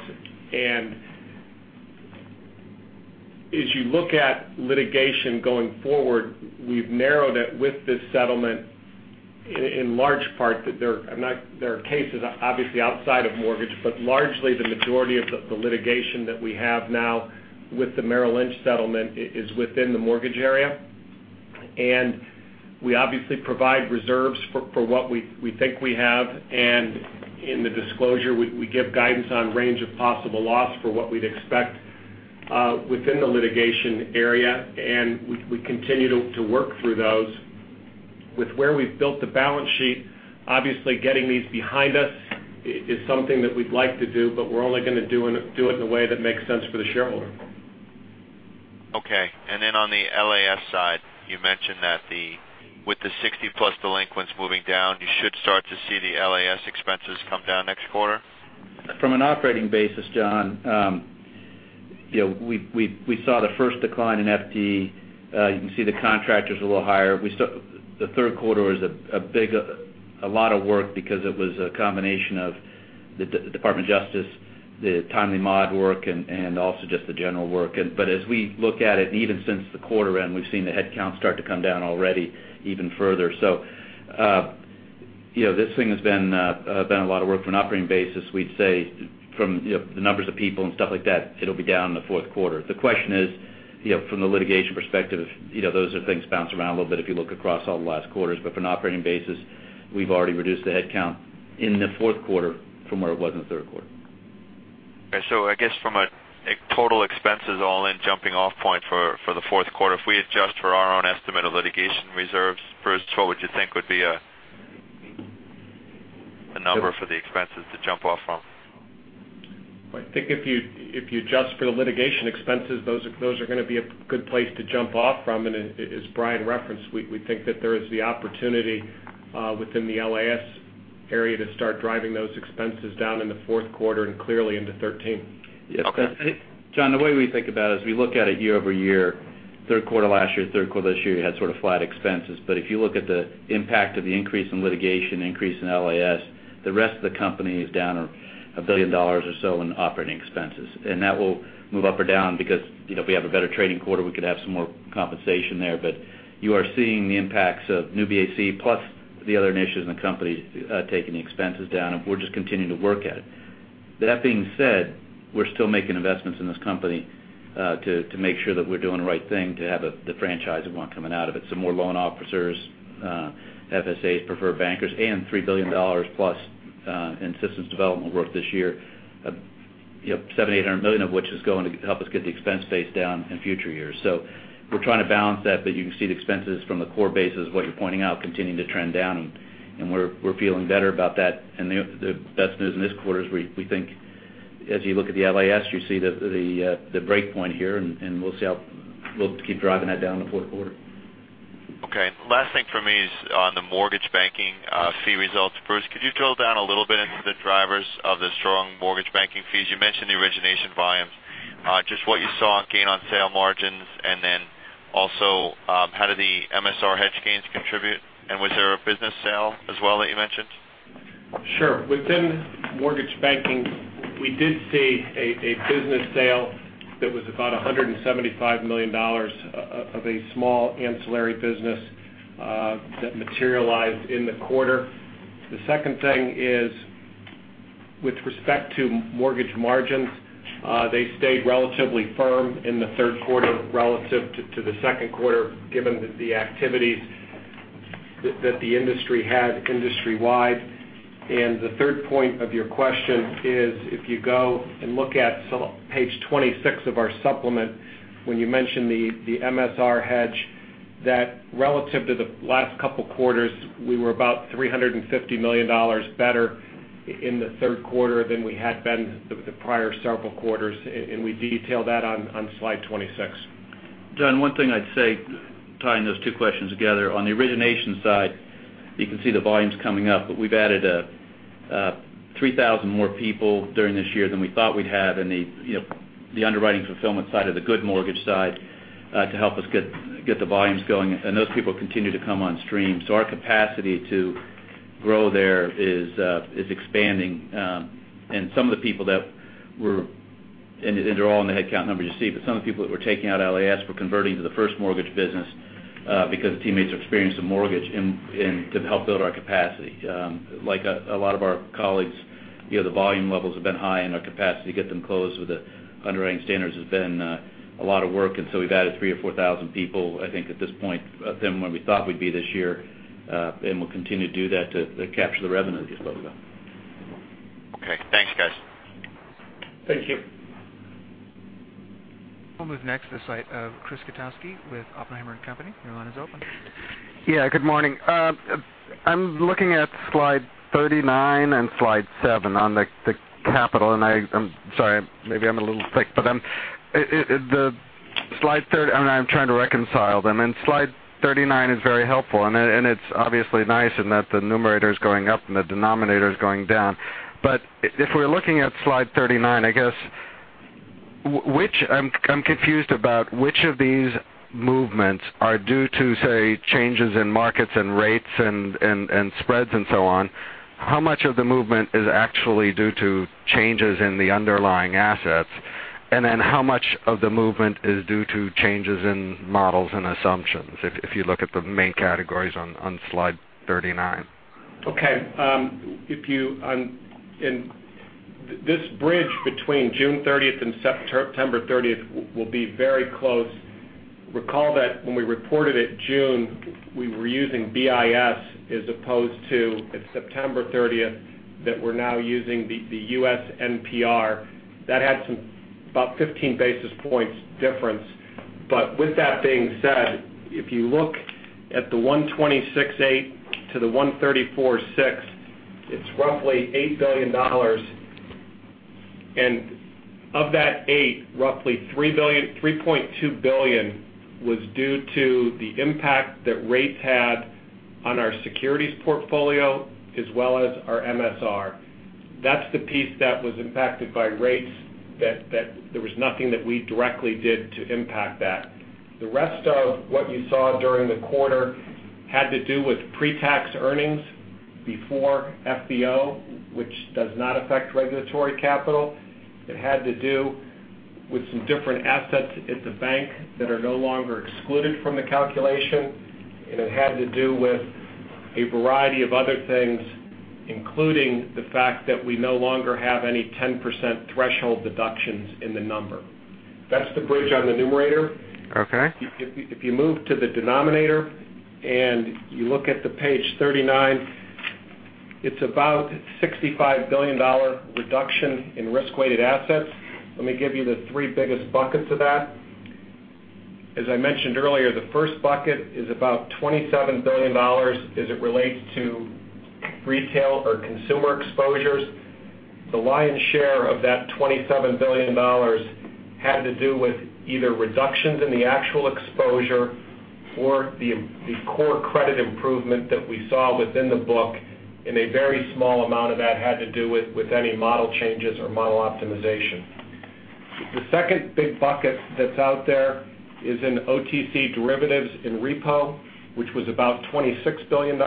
As you look at litigation going forward, we've narrowed it with this settlement in large part that there are cases, obviously outside of mortgage, but largely the majority of the litigation that we have now with the Merrill Lynch settlement is within the mortgage area. We obviously provide reserves for what we think we have. In the disclosure, we give guidance on range of possible loss for what we'd expect within the litigation area. We continue to work through those. With where we've built the balance sheet, obviously getting these behind us is something that we'd like to do, but we're only going to do it in a way that makes sense for the shareholder. Okay. On the LAS side, you mentioned that with the 60-plus delinquents moving down, you should start to see the LAS expenses come down next quarter? From an operating basis, John, we saw the first decline in FTE. You can see the contractors a little higher. The third quarter is a lot of work because it was a combination of the Department of Justice, the timely mod work, and also just the general work. As we look at it, even since the quarter end, we've seen the headcount start to come down already even further. This thing has been a lot of work from an operating basis. We'd say from the numbers of people and stuff like that, it'll be down in the fourth quarter. The question is, from the litigation perspective, those are things bounce around a little bit if you look across all the last quarters. From an operating basis, we've already reduced the headcount in the fourth quarter from where it was in the third quarter. I guess from a total expenses all-in jumping off point for the fourth quarter, if we adjust for our own estimate of litigation reserves first, what would you think would be a number for the expenses to jump off from? I think if you adjust for the litigation expenses, those are going to be a good place to jump off from. As Brian referenced, we think that there is the opportunity within the LAS area to start driving those expenses down in the fourth quarter and clearly into 2013. Okay. John, the way we think about it is we look at it year-over-year, third quarter last year, third quarter this year, you had sort of flat expenses. If you look at the impact of the increase in litigation, increase in LAS, the rest of the company is down $1 billion or so in operating expenses. That will move up or down because if we have a better trading quarter, we could have some more compensation there. You are seeing the impacts of new BAC plus the other initiatives in the company taking the expenses down, and we're just continuing to work at it. That being said, we're still making investments in this company to make sure that we're doing the right thing to have the franchise we want coming out of it. More loan officers, FSAs, preferred bankers, and $3 billion plus in systems development work this year, $700 million-$800 million of which is going to help us get the expense base down in future years. We're trying to balance that, but you can see the expenses from the core base as what you're pointing out, continuing to trend down, and we're feeling better about that. The best news in this quarter is we think as you look at the LAS, you see the breakpoint here, and we'll see how we'll keep driving that down in the fourth quarter. Okay. Last thing from me is on the mortgage banking fee results. Bruce, could you drill down a little bit into the drivers of the strong mortgage banking fees? You mentioned the origination volumes. Just what you saw on gain on sale margins. Also, how did the MSR hedge gains contribute? Was there a business sale as well that you mentioned? Sure. Within mortgage banking, we did see a business sale that was about $175 million of a small ancillary business that materialized in the quarter. The second thing is with respect to mortgage margins, they stayed relatively firm in the third quarter relative to the second quarter, given the activities that the industry had industry-wide. The third point of your question is, if you go and look at page 26 of our supplement, when you mention the MSR hedge, that relative to the last couple of quarters, we were about $350 million better in the third quarter than we had been the prior several quarters, and we detail that on slide 26. John, one thing I'd say, tying those two questions together, on the origination side, you can see the volumes coming up, we've added 3,000 more people during this year than we thought we'd have in the underwriting fulfillment side of the good mortgage side to help us get the volumes going. Those people continue to come on stream. Our capacity to grow there is expanding. They're all in the headcount numbers you see, some of the people that were taking out LAS were converting to the first mortgage business because teammates experienced a mortgage and to help build our capacity. The volume levels have been high, our capacity to get them closed with the underwriting standards has been a lot of work, we've added 3,000 or 4,000 people, I think at this point, than when we thought we'd be this year. We'll continue to do that to capture the revenue I just spoke about. Okay. Thanks, guys. Thank you. We'll move next to the site of Chris Kotowski with Oppenheimer & Co. Inc. Your line is open. Yeah, good morning. I'm looking at slide 39 and slide seven on the capital. I'm sorry, maybe I'm a little thick. I'm trying to reconcile them, slide 39 is very helpful. It's obviously nice in that the numerator's going up and the denominator is going down. If we're looking at slide 39, I'm confused about which of these movements are due to, say, changes in markets and rates and spreads and so on. How much of the movement is actually due to changes in the underlying assets? How much of the movement is due to changes in models and assumptions, if you look at the main categories on slide 39? Okay. This bridge between June 30th and September 30th will be very close. Recall that when we reported it June, we were using BIS as opposed to, at September 30th, that we're now using the U.S. NPR. That had about 15 basis points difference. With that being said, if you look at the 126.8 to the 134.6, it's roughly $8 billion. Of that eight, roughly $3.2 billion was due to the impact that rates had on our securities portfolio as well as our MSR. That's the piece that was impacted by rates that there was nothing that we directly did to impact that. The rest of what you saw during the quarter had to do with pre-tax earnings before FVO, which does not affect regulatory capital. It had to do with some different assets at the bank that are no longer excluded from the calculation. It had to do with a variety of other things, including the fact that we no longer have any 10% threshold deductions in the number. That's the bridge on the numerator. Okay. If you move to the denominator, and you look at the page 39, it's about a $65 billion reduction in risk-weighted assets. Let me give you the three biggest buckets of that. As I mentioned earlier, the first bucket is about $27 billion as it relates to retail or consumer exposures. The lion's share of that $27 billion had to do with either reductions in the actual exposure or the core credit improvement that we saw within the book, and a very small amount of that had to do with any model changes or model optimization. The second big bucket that's out there is in OTC derivatives in repo, which was about $26 billion.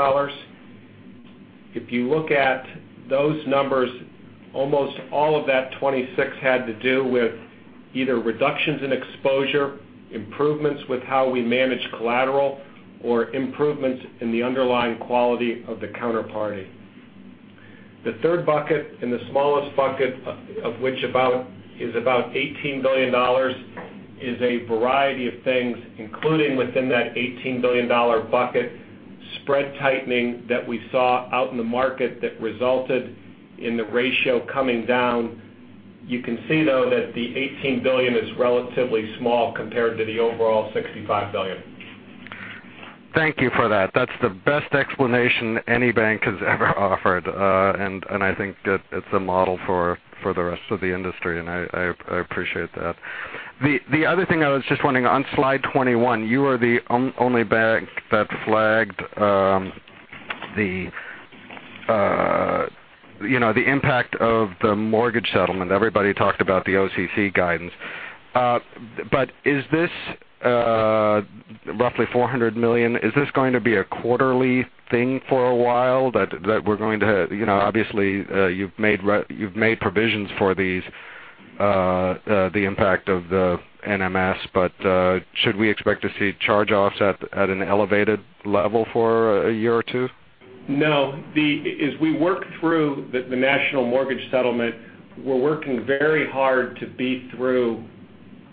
If you look at those numbers, almost all of that 26 had to do with either reductions in exposure, improvements with how we manage collateral, or improvements in the underlying quality of the counterparty. The third bucket, and the smallest bucket, of which is about $18 billion, is a variety of things, including within that $18 billion bucket, spread tightening that we saw out in the market that resulted in the ratio coming down. You can see, though, that the $18 billion is relatively small compared to the overall $65 billion. Thank you for that. That's the best explanation any bank has ever offered. I think that it's a model for the rest of the industry. I appreciate that. The other thing I was just wondering, on slide 21, you are the only bank that flagged the impact of the mortgage settlement. Everybody talked about the OCC guidance. This roughly $400 million, is this going to be a quarterly thing for a while? Obviously, you've made provisions for the impact of the NMS. Should we expect to see charge-offs at an elevated level for a year or two? No. As we work through the National Mortgage Settlement, we're working very hard to be through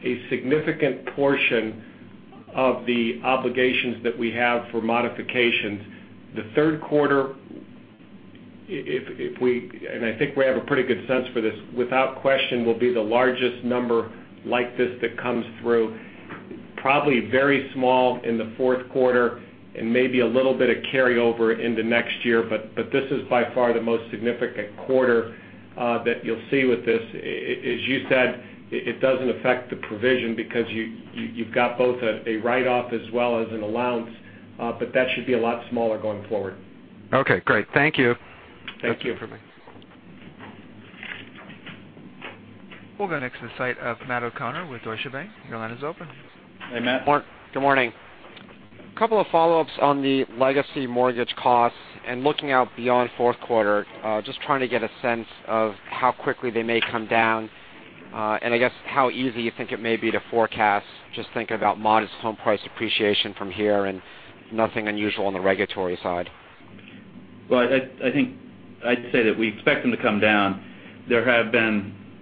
a significant portion of the obligations that we have for modifications. The third quarter, and I think we have a pretty good sense for this, without question will be the largest number like this that comes through. Probably very small in the fourth quarter and maybe a little bit of carryover into next year. This is by far the most significant quarter that you'll see with this. As you said, it doesn't affect the provision because you've got both a write-off as well as an allowance. That should be a lot smaller going forward. Okay, great. Thank you. Thank you. We'll go next to Matt O'Connor with Deutsche Bank. Your line is open. Hey, Matt. Good morning. Couple of follow-ups on the legacy mortgage costs and looking out beyond fourth quarter. Just trying to get a sense of how quickly they may come down. I guess how easy you think it may be to forecast, just think about modest home price appreciation from here and nothing unusual on the regulatory side. Well, I'd say that we expect them to come down.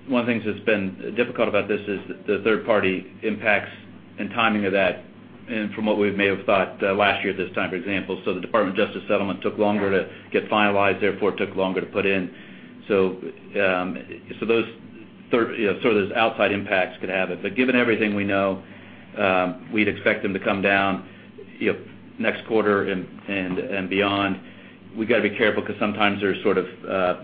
One of the things that's been difficult about this is the third-party impacts and timing of that and from what we may have thought last year at this time, for example. The Department of Justice settlement took longer to get finalized, therefore it took longer to put in. Those sort of outside impacts could have it. Given everything we know, we'd expect them to come down next quarter and beyond. We've got to be careful because sometimes there's sort of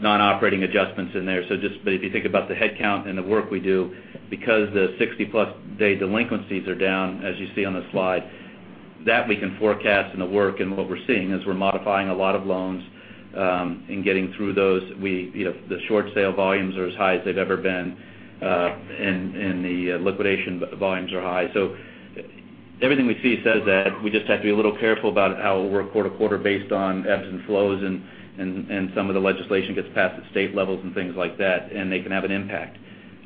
non-operating adjustments in there. Just if you think about the headcount and the work we do, because the 60-plus day delinquencies are down, as you see on the slide, that we can forecast in the work. What we're seeing is we're modifying a lot of loans and getting through those. The short sale volumes are as high as they've ever been. The liquidation volumes are high. Everything we see says that we just have to be a little careful about how we'll work quarter to quarter based on ebbs and flows and some of the legislation gets passed at state levels and things like that, and they can have an impact.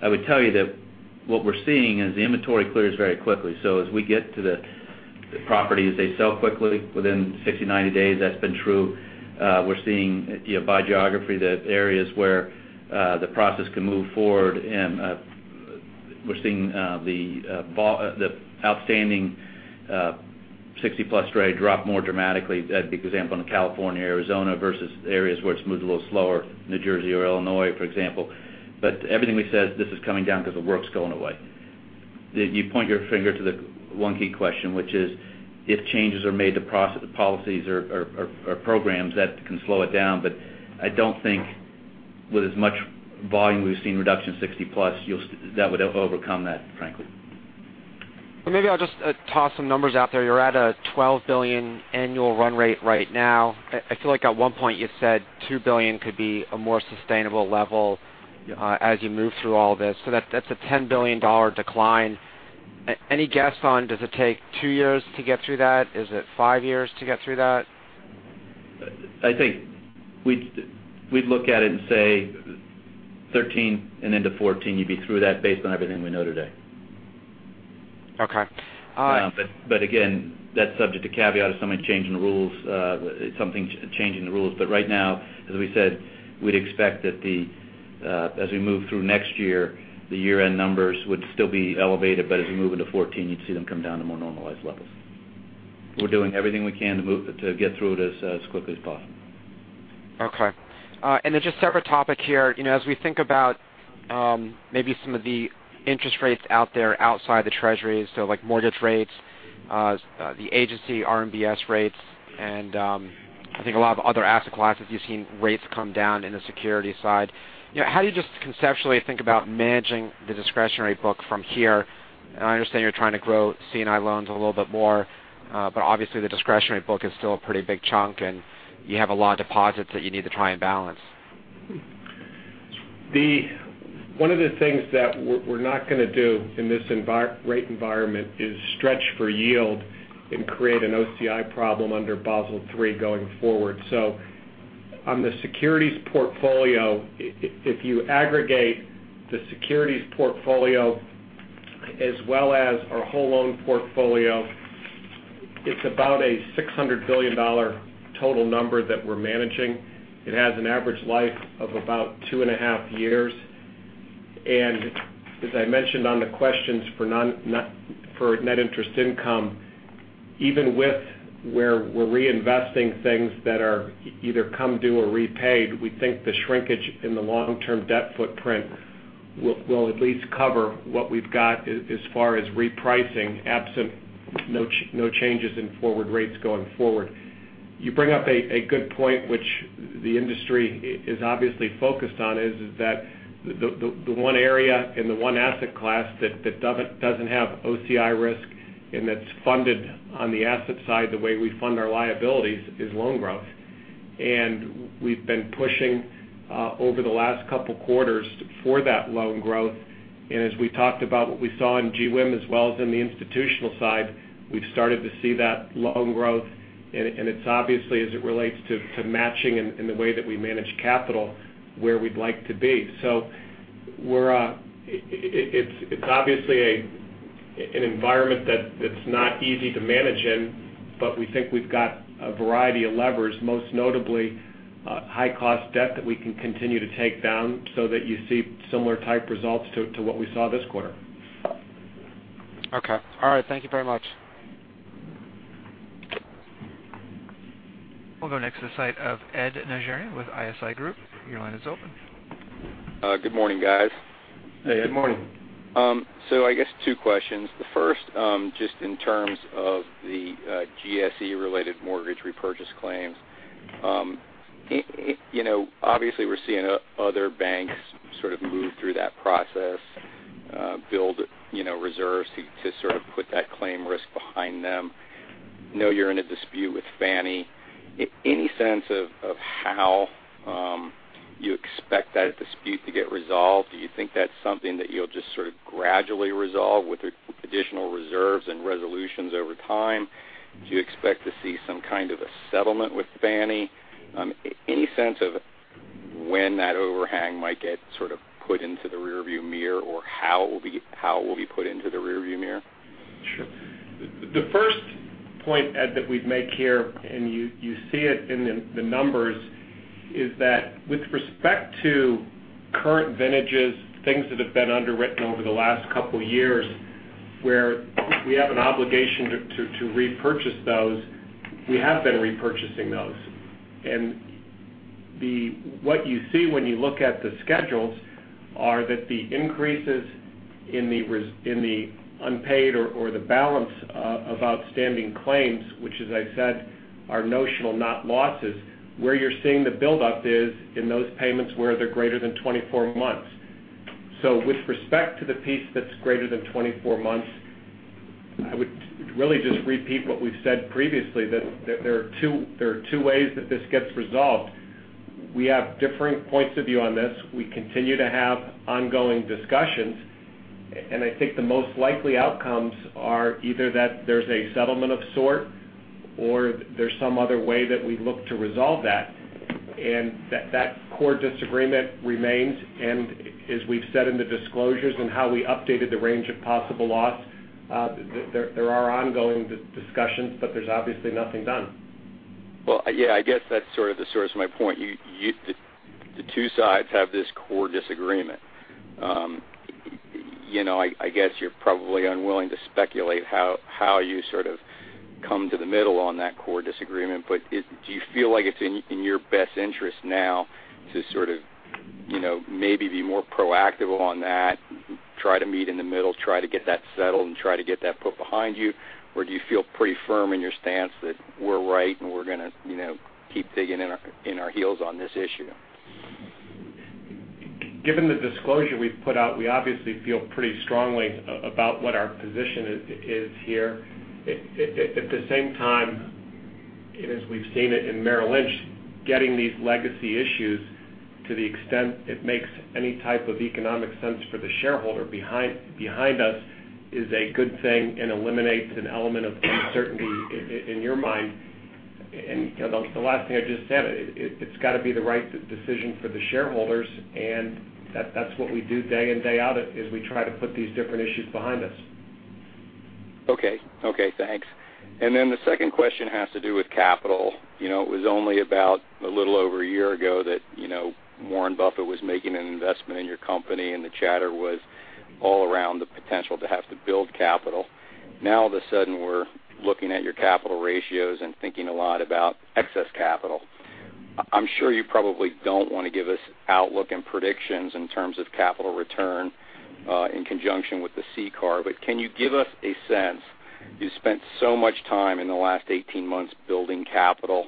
I would tell you that what we're seeing is the inventory clears very quickly. As we get to the properties, they sell quickly within 60-90 days. That's been true. We're seeing by geography that areas where the process can move forward, and we're seeing the outstanding 60-plus day drop more dramatically, for example, in California, Arizona versus areas where it's moved a little slower, New Jersey or Illinois, for example. Everything says this is coming down because the work's going away. You point your finger to the one key question, which is if changes are made to policies or programs, that can slow it down. I don't think with as much volume we've seen reduction 60-plus, that would overcome that, frankly. Well, maybe I'll just toss some numbers out there. You're at a $12 billion annual run rate right now. I feel like at one point you said $2 billion could be a more sustainable level as you move through all this. That's a $10 billion decline. Any guess on does it take two years to get through that? Is it five years to get through that? I think we'd look at it and say 2013 and into 2014 you'd be through that based on everything we know today. Okay. Again, that's subject to caveat if something changing the rules. Right now, as we said, we'd expect that as we move through next year, the year-end numbers would still be elevated. As we move into 2014, you'd see them come down to more normalized levels. We're doing everything we can to get through it as quickly as possible. Okay. Just separate topic here. As we think about maybe some of the interest rates out there outside the treasuries, so like mortgage rates, the agency RMBS rates, I think a lot of other asset classes, you've seen rates come down in the security side. How do you just conceptually think about managing the discretionary book from here? I understand you're trying to grow C&I loans a little bit more but obviously the discretionary book is still a pretty big chunk, and you have a lot of deposits that you need to try and balance. One of the things that we're not going to do in this rate environment is stretch for yield and create an OCI problem under Basel III going forward. On the securities portfolio, if you aggregate the securities portfolio as well as our whole loan portfolio, it's about a $600 billion total number that we're managing. It has an average life of about two and a half years. As I mentioned on the questions for net interest income, even with where we're reinvesting things that either come due or repaid, we think the shrinkage in the long-term debt footprint will at least cover what we've got as far as repricing, absent no changes in forward rates going forward. You bring up a good point, which the industry is obviously focused on, is that the one area and the one asset class that doesn't have OCI risk and that's funded on the asset side the way we fund our liabilities is loan growth. We've been pushing over the last couple quarters for that loan growth. As we talked about what we saw in GWIM as well as in the institutional side, we've started to see that loan growth. It's obviously, as it relates to matching and the way that we manage capital, where we'd like to be. It's obviously an environment that's not easy to manage in. We think we've got a variety of levers, most notably high cost debt that we can continue to take down so that you see similar type results to what we saw this quarter. Okay. All right. Thank you very much. We'll go next to the site of Ed Najarian with ISI Group. Your line is open. Good morning, guys. Hey, Ed. Good morning. I guess two questions. The first, just in terms of the GSE-related mortgage repurchase claims. Obviously we're seeing other banks sort of move through that process, build reserves to sort of put that claim risk behind them. I know you're in a dispute with Fannie. Any sense of how you expect that dispute to get resolved? Do you think that's something that you'll just sort of gradually resolve with additional reserves and resolutions over time? Do you expect to see some kind of a settlement with Fannie? Any sense of when that overhang might get sort of put into the rearview mirror, or how it will be put into the rearview mirror? Sure. The first point, Ed, that we'd make here, you see it in the numbers, is that with respect to current vintages, things that have been underwritten over the last couple of years, where we have an obligation to repurchase those, we have been repurchasing those. What you see when you look at the schedules are that the increases in the unpaid or the balance of outstanding claims, which as I said, are notional, not losses. Where you're seeing the buildup is in those payments where they're greater than 24 months. With respect to the piece that's greater than 24 months, I would really just repeat what we've said previously, that there are two ways that this gets resolved. We have differing points of view on this. We continue to have ongoing discussions. I think the most likely outcomes are either that there's a settlement of sort, or there's some other way that we look to resolve that. That core disagreement remains, as we've said in the disclosures and how we updated the range of possible loss, there are ongoing discussions, but there's obviously nothing done. Well, yeah, I guess that's sort of the source of my point. The two sides have this core disagreement. I guess you're probably unwilling to speculate how you sort of come to the middle on that core disagreement. Do you feel like it's in your best interest now to sort of maybe be more proactive on that, try to meet in the middle, try to get that settled, and try to get that put behind you? Or do you feel pretty firm in your stance that we're right and we're going to keep digging in our heels on this issue? Given the disclosure we've put out, we obviously feel pretty strongly about what our position is here. At the same time, as we've seen it in Merrill Lynch, getting these legacy issues to the extent it makes any type of economic sense for the shareholder behind us is a good thing and eliminates an element of uncertainty in your mind. The last thing I just said, it's got to be the right decision for the shareholders, and that's what we do day in, day out, is we try to put these different issues behind us. Okay. Thanks. The second question has to do with capital. It was only about a little over a year ago that Warren Buffett was making an investment in your company, and the chatter was all around the potential to have to build capital. Now all of a sudden, we're looking at your capital ratios and thinking a lot about excess capital. I'm sure you probably don't want to give us outlook and predictions in terms of capital return in conjunction with the CCAR, but can you give us a sense? You spent so much time in the last 18 months building capital.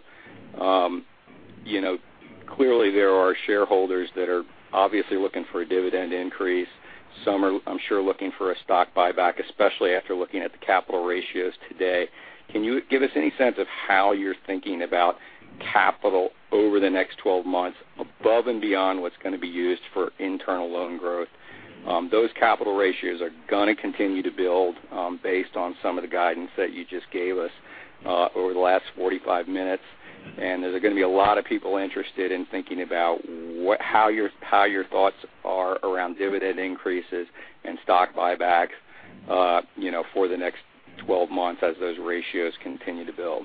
Clearly there are shareholders that are obviously looking for a dividend increase. Some are, I'm sure, looking for a stock buyback, especially after looking at the capital ratios today. Can you give us any sense of how you're thinking about capital over the next 12 months above and beyond what's going to be used for internal loan growth? Those capital ratios are going to continue to build based on some of the guidance that you just gave us over the last 45 minutes. There's going to be a lot of people interested in thinking about how your thoughts are around dividend increases and stock buybacks for the next 12 months as those ratios continue to build.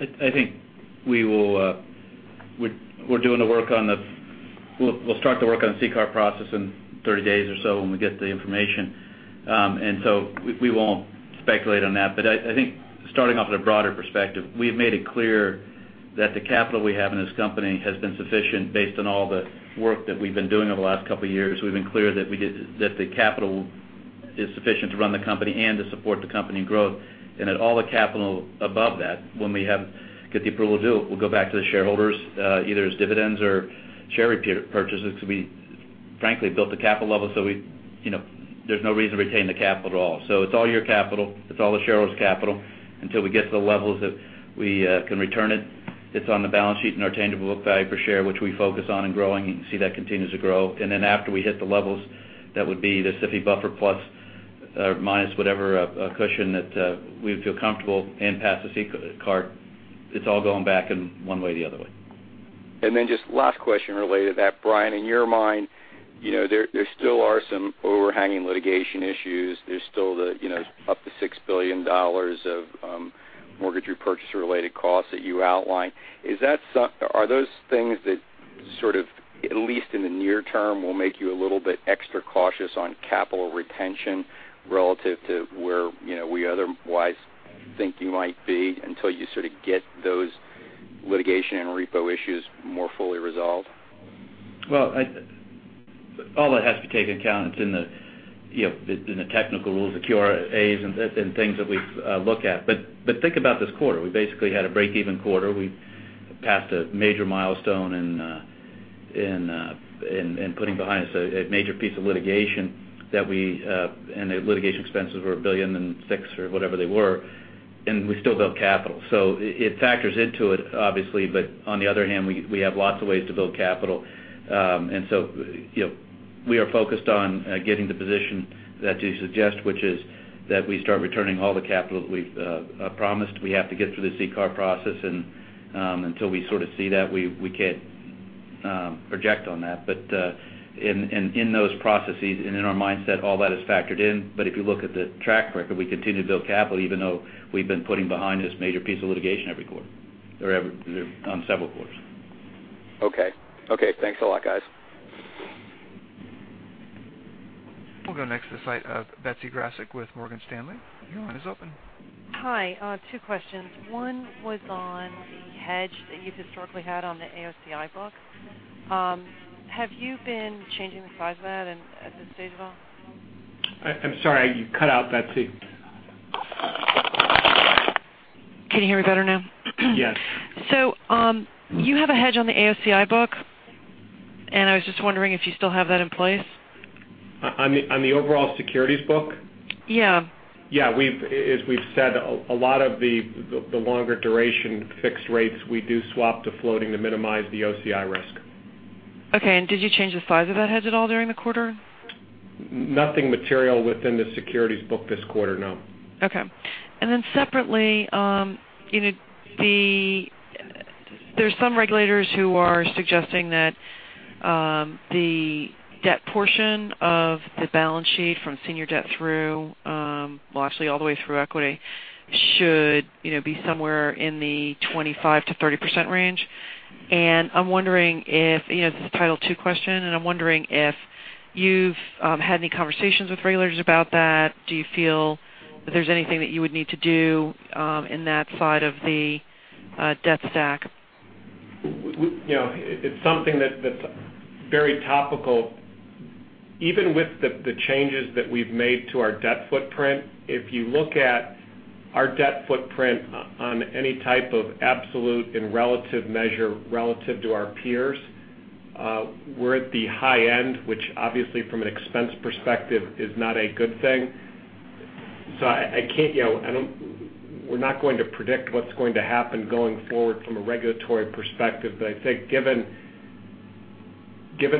We'll start the work on the CCAR process in 30 days or so when we get the information. We won't speculate on that. I think starting off at a broader perspective, we have made it clear that the capital we have in this company has been sufficient based on all the work that we've been doing over the last couple of years. We've been clear that the capital is sufficient to run the company and to support the company growth. All the capital above that, when we get the approval to do it, we'll go back to the shareholders either as dividends or share repurchases because we frankly built the capital level, there's no reason to retain the capital at all. It's all your capital. It's all the shareholders' capital until we get to the levels that we can return it. It's on the balance sheet in our tangible book value per share, which we focus on in growing. You can see that continues to grow. After we hit the levels, that would be the G-SIB buffer plus or minus whatever cushion that we'd feel comfortable and pass the CCAR. It's all going back in one way or the other way. Just last question related to that, Brian, in your mind, there still are some overhanging litigation issues. There's still the up to $6 billion of mortgage repurchase related costs that you outlined. Are those things that sort of, at least in the near term, will make you a little bit extra cautious on capital retention relative to where we otherwise think you might be until you sort of get those litigation and repo issues more fully resolved? Well, all that has to take account in the technical rules, the QRA, and things that we look at. Think about this quarter. We basically had a break-even quarter. We passed a major milestone in putting behind us a major piece of litigation, and the litigation expenses were $1.6 billion or whatever they were, and we still built capital. It factors into it, obviously. On the other hand, we have lots of ways to build capital. We are focused on getting the position that you suggest, which is that we start returning all the capital that we've promised. We have to get through the CCAR process, and until we sort of see that, we can't project on that. In those processes and in our mindset, all that is factored in. If you look at the track record, we continue to build capital even though we've been putting behind this major piece of litigation every quarter or on several quarters. Okay. Thanks a lot, guys. We'll go next to the site of Betsy Graseck with Morgan Stanley. Your line is open. Hi. Two questions. One was on the hedge that you've historically had on the AOCI book. Have you been changing the size of that at this stage at all? I'm sorry. You cut out, Betsy. Can you hear me better now? Yes. You have a hedge on the AOCI book, and I was just wondering if you still have that in place. On the overall securities book? Yeah. Yeah. As we've said, a lot of the longer duration fixed rates, we do swap to floating to minimize the OCI risk. Okay. Did you change the size of that hedge at all during the quarter? Nothing material within the securities book this quarter, no. Okay. Separately, there's some regulators who are suggesting that the debt portion of the balance sheet from senior debt through, well, actually all the way through equity, should be somewhere in the 25%-30% range. I'm wondering if, this is a Title II question, and I'm wondering if you've had any conversations with regulators about that. Do you feel that there's anything that you would need to do in that side of the debt stack? It's something that's very topical. Even with the changes that we've made to our debt footprint, if you look at our debt footprint on any type of absolute and relative measure relative to our peers, we're at the high end, which obviously from an expense perspective is not a good thing. We're not going to predict what's going to happen going forward from a regulatory perspective. I think given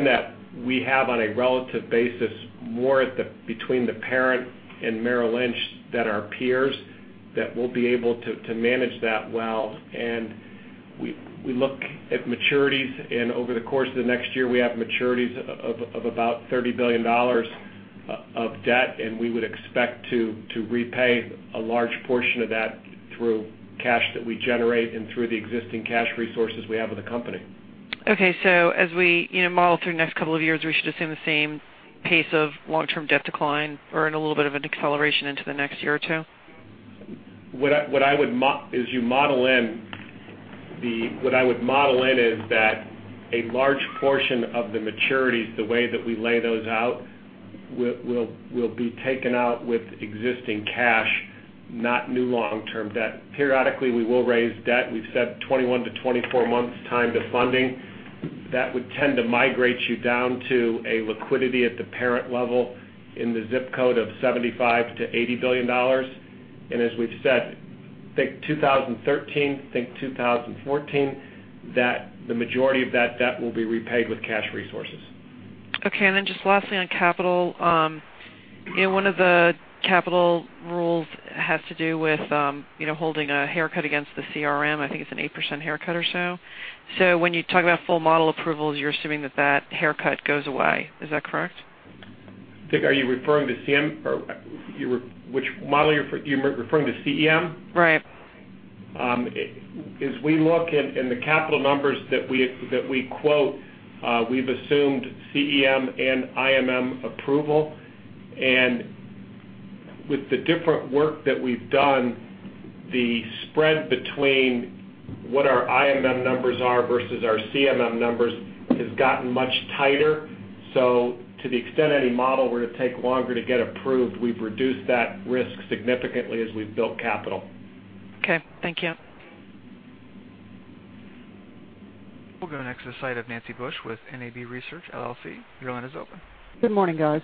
that we have, on a relative basis, more between the parent and Merrill Lynch than our peers, that we'll be able to manage that well. We look at maturities, and over the course of the next year, we have maturities of about $30 billion of debt, and we would expect to repay a large portion of that through cash that we generate and through the existing cash resources we have with the company. Okay. As we model through the next couple of years, we should assume the same pace of long-term debt decline or in a little bit of an acceleration into the next year or two? What I would model in is that a large portion of the maturities, the way that we lay those out, will be taken out with existing cash, not new long-term debt. Periodically, we will raise debt. We've said 21-24 months time to funding. That would tend to migrate you down to a liquidity at the parent level in the zip code of $75 billion-$80 billion. As we've said, think 2013, think 2014, that the majority of that debt will be repaid with cash resources. Okay, just lastly on capital. One of the capital rules has to do with holding a haircut against the CRM. I think it's an 8% haircut or so. When you talk about full model approvals, you're assuming that that haircut goes away. Is that correct? I think, are you referring to CM, or which model? Are you referring to CEM? Right. We look in the capital numbers that we quote, we've assumed CEM and IMM approval. With the different work that we've done, the spread between what our IMM numbers are versus our CEM numbers has gotten much tighter. To the extent any model were to take longer to get approved, we've reduced that risk significantly as we've built capital. Okay. Thank you. We'll go next to the site of Nancy Bush with NAB Research LLC. Your line is open. Good morning, guys.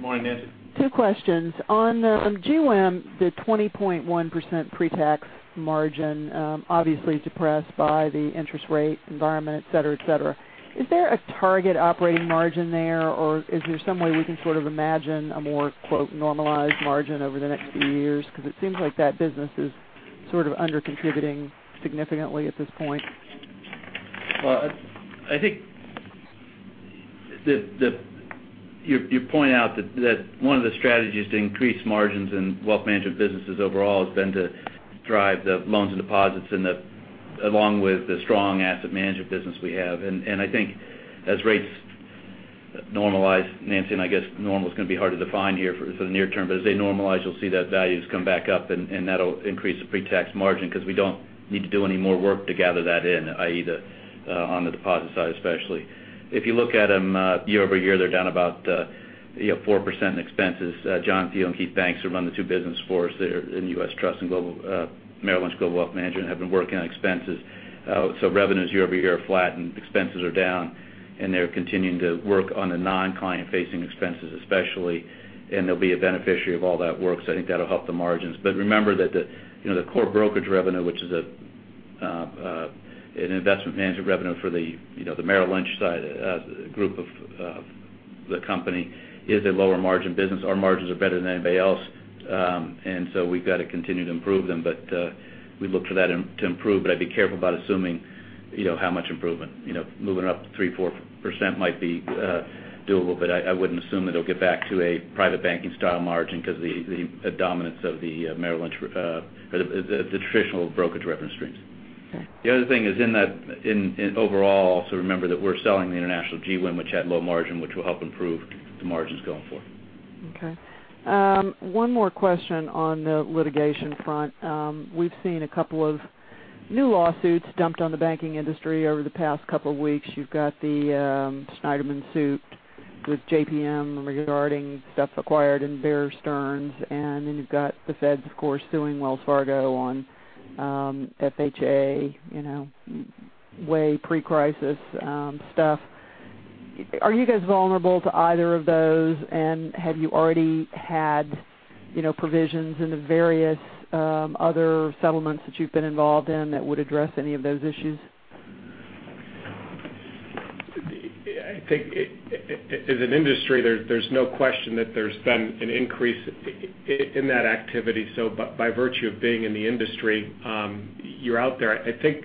Morning, Nancy. Two questions. On GWIM, the 20.1% pre-tax margin, obviously depressed by the interest rate environment, et cetera. Is there a target operating margin there, or is there some way we can sort of imagine a more "normalized margin" over the next few years? Because it seems like that business is sort of under-contributing significantly at this point. Well, I think you point out that one of the strategies to increase margins in wealth management businesses overall has been to drive the loans and deposits along with the strong asset management business we have. I think as rates normalize, Nancy, and I guess normal is going to be hard to define here for the near term, but as they normalize, you'll see that values come back up, and that'll increase the pre-tax margin because we don't need to do any more work to gather that in, i.e., on the deposit side especially. If you look at them year-over-year, they're down about 4% in expenses. John Thiel and Keith Banks, who run the two business for us in U.S. Trust and Merrill Lynch Global Wealth Management, have been working on expenses. Revenues year-over-year are flat and expenses are down, and they're continuing to work on the non-client facing expenses especially, and they'll be a beneficiary of all that work. I think that'll help the margins. Remember that the core brokerage revenue, which is investment management revenue for the Merrill Lynch side, a group of the company, is a lower margin business. Our margins are better than anybody else. We've got to continue to improve them, but we look for that to improve. I'd be careful about assuming how much improvement. Moving it up 3%-4% might be doable, but I wouldn't assume it'll get back to a private banking style margin because the dominance of the traditional brokerage revenue streams. Okay. The other thing is in overall, remember that we're selling the international GWIM, which had low margin, which will help improve the margins going forward. Okay. One more question on the litigation front. We've seen a couple of new lawsuits dumped on the banking industry over the past couple of weeks. You've got the Schneiderman suit with JPM regarding stuff acquired in Bear Stearns. You've got the feds, of course, suing Wells Fargo on FHA, way pre-crisis stuff. Are you guys vulnerable to either of those? Have you already had provisions in the various other settlements that you've been involved in that would address any of those issues? I think as an industry, there's no question that there's been an increase in that activity. By virtue of being in the industry, you're out there. I think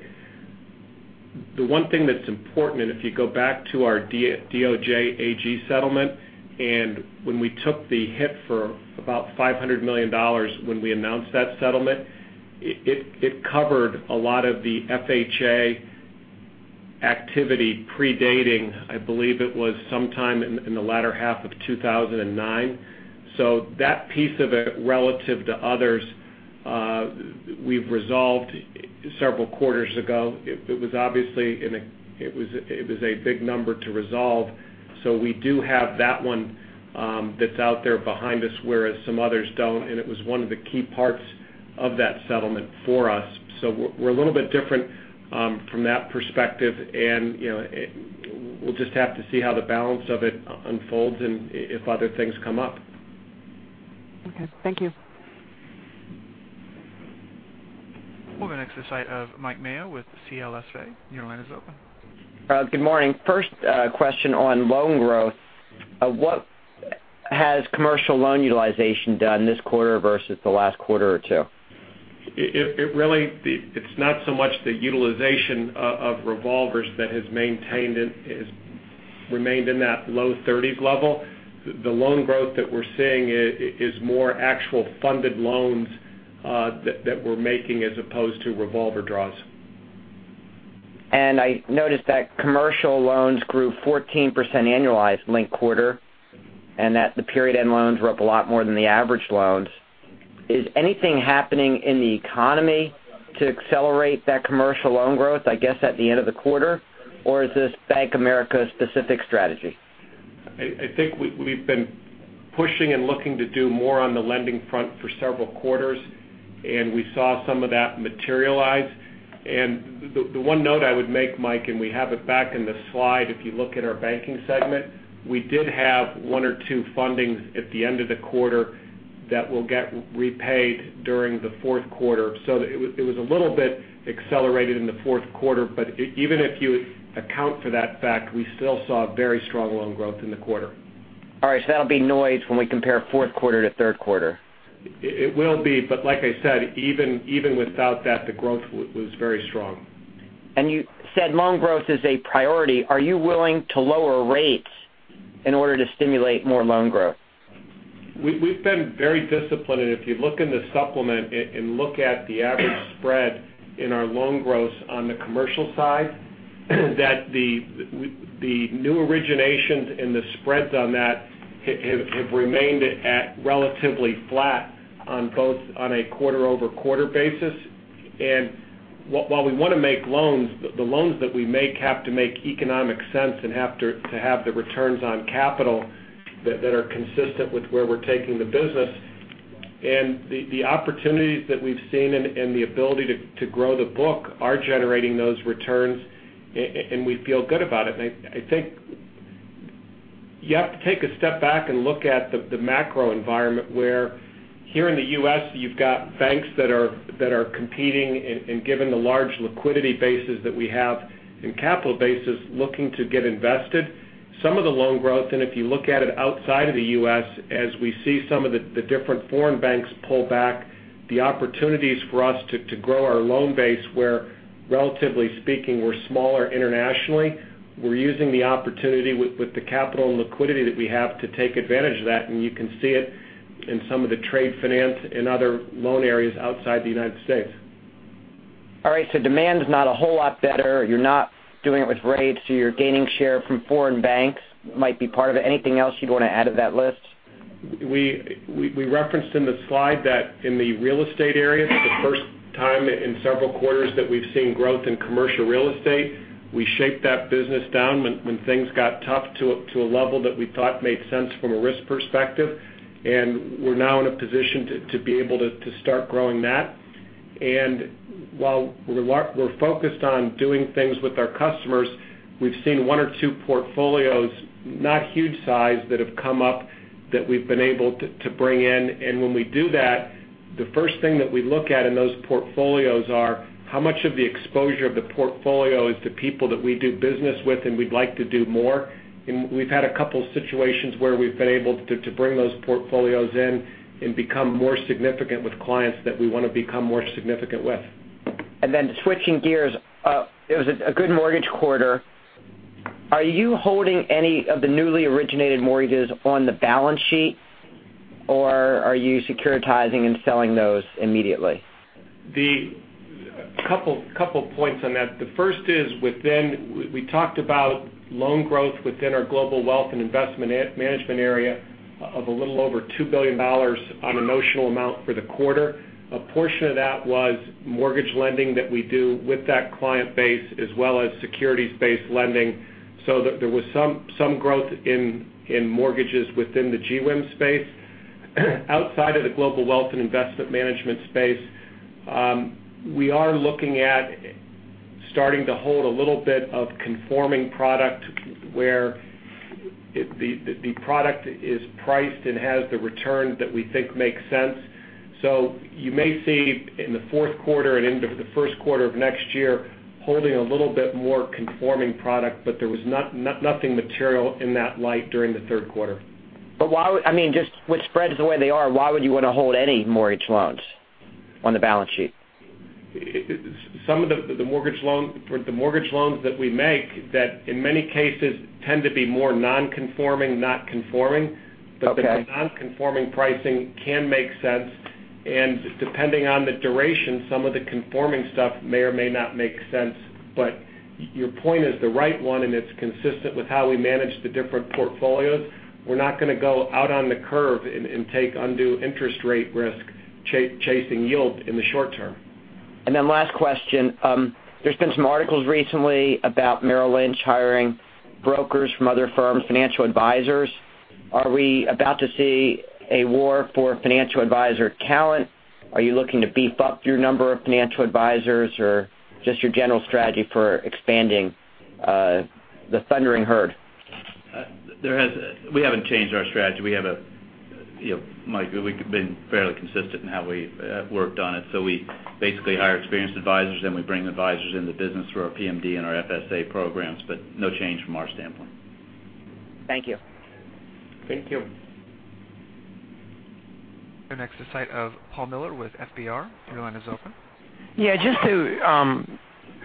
the one thing that's important, if you go back to our DOJ AG settlement, when we took the hit for about $500 million, when we announced that settlement, it covered a lot of the FHA activity predating, I believe, it was sometime in the latter half of 2009. That piece of it, relative to others, we've resolved several quarters ago. It was a big number to resolve. We do have that one that's out there behind us, whereas some others don't. It was one of the key parts of that settlement for us. We're a little bit different from that perspective, and we'll just have to see how the balance of it unfolds and if other things come up. Okay. Thank you. We'll go next to the site of Mike Mayo with CLSA. Your line is open. Good morning. First question on loan growth. What has commercial loan utilization done this quarter versus the last quarter or two? It's not so much the utilization of revolvers that has remained in that low 30s level. The loan growth that we're seeing is more actual funded loans that we're making as opposed to revolver draws. I noticed that commercial loans grew 14% annualized linked quarter, and that the period-end loans were up a lot more than the average loans. Is anything happening in the economy to accelerate that commercial loan growth, I guess, at the end of the quarter? Is this Bank of America specific strategy? I think we've been pushing and looking to do more on the lending front for several quarters, we saw some of that materialize. The one note I would make, Mike, we have it back in the slide if you look at our banking segment, we did have one or two fundings at the end of the quarter that will get repaid during the fourth quarter. It was a little bit accelerated in the fourth quarter. Even if you account for that fact, we still saw very strong loan growth in the quarter. All right. That'll be noise when we compare fourth quarter to third quarter. It will be, like I said, even without that, the growth was very strong. You said loan growth is a priority. Are you willing to lower rates in order to stimulate more loan growth? We've been very disciplined, if you look in the supplement, look at the average spread in our loan growth on the commercial side, that the new originations and the spreads on that have remained at relatively flat on a quarter-over-quarter basis. While we want to make loans, the loans that we make have to make economic sense and have to have the returns on capital that are consistent with where we're taking the business. The opportunities that we've seen and the ability to grow the book are generating those returns, we feel good about it. I think you have to take a step back and look at the macro environment where here in the U.S., you've got banks that are competing and given the large liquidity bases that we have and capital bases looking to get invested. Some of the loan growth, if you look at it outside of the U.S., as we see some of the different foreign banks pull back, the opportunities for us to grow our loan base where, relatively speaking, we're smaller internationally. We're using the opportunity with the capital and liquidity that we have to take advantage of that, you can see it in some of the trade finance and other loan areas outside the United States. Demand is not a whole lot better. You're not doing it with rates, so you're gaining share from foreign banks, might be part of it. Anything else you'd want to add to that list? We referenced in the slide that in the real estate area, it's the first time in several quarters that we've seen growth in commercial real estate. We shaped that business down when things got tough to a level that we thought made sense from a risk perspective. We're now in a position to be able to start growing that. While we're focused on doing things with our customers, we've seen one or two portfolios, not huge size, that have come up that we've been able to bring in. When we do that, the first thing that we look at in those portfolios are how much of the exposure of the portfolio is to people that we do business with, and we'd like to do more. We've had a couple situations where we've been able to bring those portfolios in and become more significant with clients that we want to become more significant with. Switching gears, it was a good mortgage quarter. Are you holding any of the newly originated mortgages on the balance sheet, or are you securitizing and selling those immediately? A couple points on that. We talked about loan growth within our Global Wealth and Investment Management area of a little over $2 billion on a notional amount for the quarter. A portion of that was mortgage lending that we do with that client base as well as securities-based lending, so there was some growth in mortgages within the GWIM space. Outside of the Global Wealth and Investment Management space, we are looking at starting to hold a little bit of conforming product where the product is priced and has the return that we think makes sense. You may see in the fourth quarter and into the first quarter of next year, holding a little bit more conforming product, but there was nothing material in that light during the third quarter. With spreads the way they are, why would you want to hold any mortgage loans on the balance sheet? Some of the mortgage loans that we make that in many cases tend to be more non-conforming, not conforming. Okay. The non-conforming pricing can make sense. Depending on the duration, some of the conforming stuff may or may not make sense. Your point is the right one, and it's consistent with how we manage the different portfolios. We're not going to go out on the curve and take undue interest rate risk chasing yield in the short term. Last question. There's been some articles recently about Merrill Lynch hiring brokers from other firms, financial advisors. Are we about to see a war for financial advisor talent? Are you looking to beef up your number of financial advisors or just your general strategy for expanding the thundering herd? We haven't changed our strategy. Mike, we've been fairly consistent in how we've worked on it. We basically hire experienced advisors, we bring advisors into business through our PMD and our FSA programs, no change from our standpoint. Thank you. Thank you. We'll go next to the site of Paul Miller with FBR. Your line is open. Yeah, just to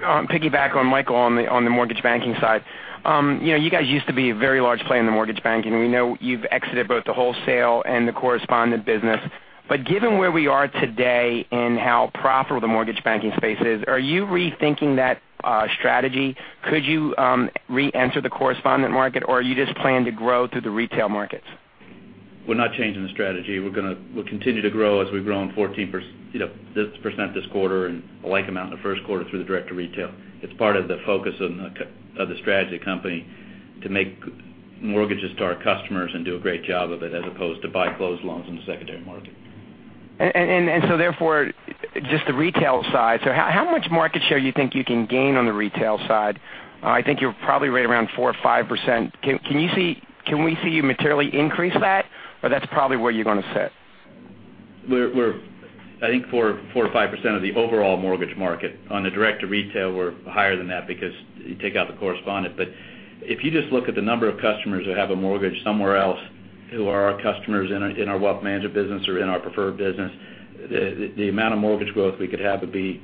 piggyback on Michael on the mortgage banking side. You guys used to be a very large play in the mortgage banking, and we know you've exited both the wholesale and the correspondent business. Given where we are today and how profitable the mortgage banking space is, are you rethinking that strategy? Could you reenter the correspondent market, or are you just planning to grow through the retail markets? We're not changing the strategy. We'll continue to grow as we've grown 14% this quarter and a like amount in the first quarter through the direct to retail. It's part of the focus of the strategy of the company to make mortgages to our customers and do a great job of it, as opposed to buy closed loans in the secondary market. Therefore, just the retail side. How much market share you think you can gain on the retail side? I think you're probably right around 4% or 5%. Can we see you materially increase that, or that's probably where you're going to sit? I think 4% or 5% of the overall mortgage market. On the direct to retail, we're higher than that because you take out the correspondent. If you just look at the number of customers that have a mortgage somewhere else who are our customers in our wealth management business or in our preferred business, the amount of mortgage growth we could have would be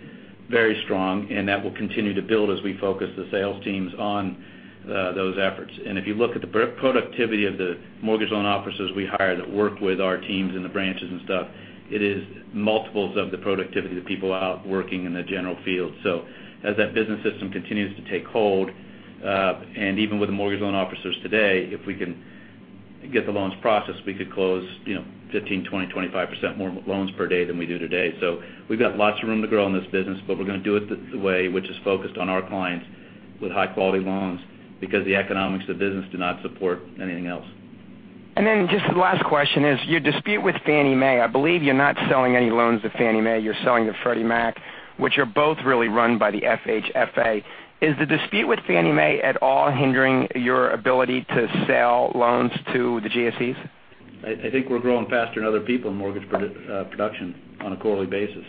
very strong, and that will continue to build as we focus the sales teams on those efforts. If you look at the productivity of the mortgage loan officers we hire that work with our teams in the branches and stuff, it is multiples of the productivity of the people out working in the general field. As that business system continues to take hold, even with the mortgage loan officers today, if we can get the loans processed, we could close 15, 20, 25% more loans per day than we do today. We've got lots of room to grow in this business, but we're going to do it the way which is focused on our clients with high-quality loans because the economics of the business do not support anything else. Just the last question is, your dispute with Fannie Mae. I believe you're not selling any loans to Fannie Mae. You're selling to Freddie Mac, which are both really run by the FHFA. Is the dispute with Fannie Mae at all hindering your ability to sell loans to the GSEs? I think we're growing faster than other people in mortgage production on a quarterly basis.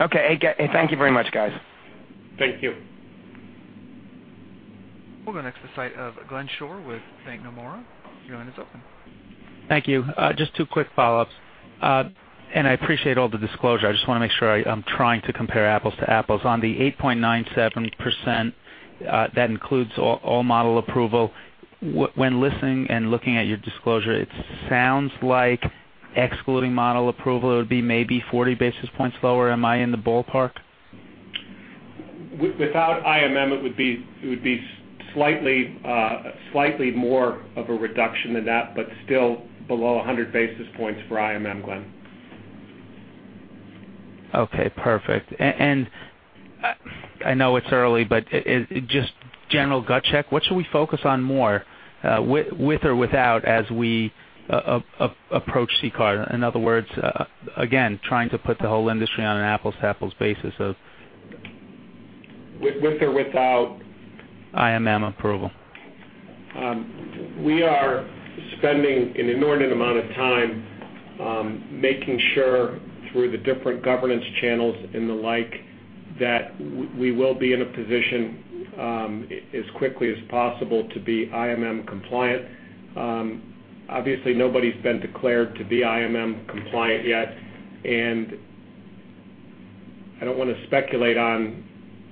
Okay. Thank you very much, guys. Thank you. We'll go next to the line of Glenn Schorr with Nomura. Your line is open. Thank you. Just two quick follow-ups. I appreciate all the disclosure. I just want to make sure I'm trying to compare apples to apples. On the 8.97%, that includes all model approval. When listening and looking at your disclosure, it sounds like excluding model approval, it would be maybe 40 basis points lower. Am I in the ballpark? Without IMM, it would be slightly more of a reduction than that, but still below 100 basis points for IMM, Glenn. Okay, perfect. I know it's early, just general gut check. What should we focus on more, with or without, as we approach CCAR? In other words, again, trying to put the whole industry on an apples-to-apples basis of With or without? IMM approval. We are spending an inordinate amount of time making sure through the different governance channels and the like, that we will be in a position, as quickly as possible to be IMM compliant. Obviously, nobody's been declared to be IMM compliant yet, I don't want to speculate on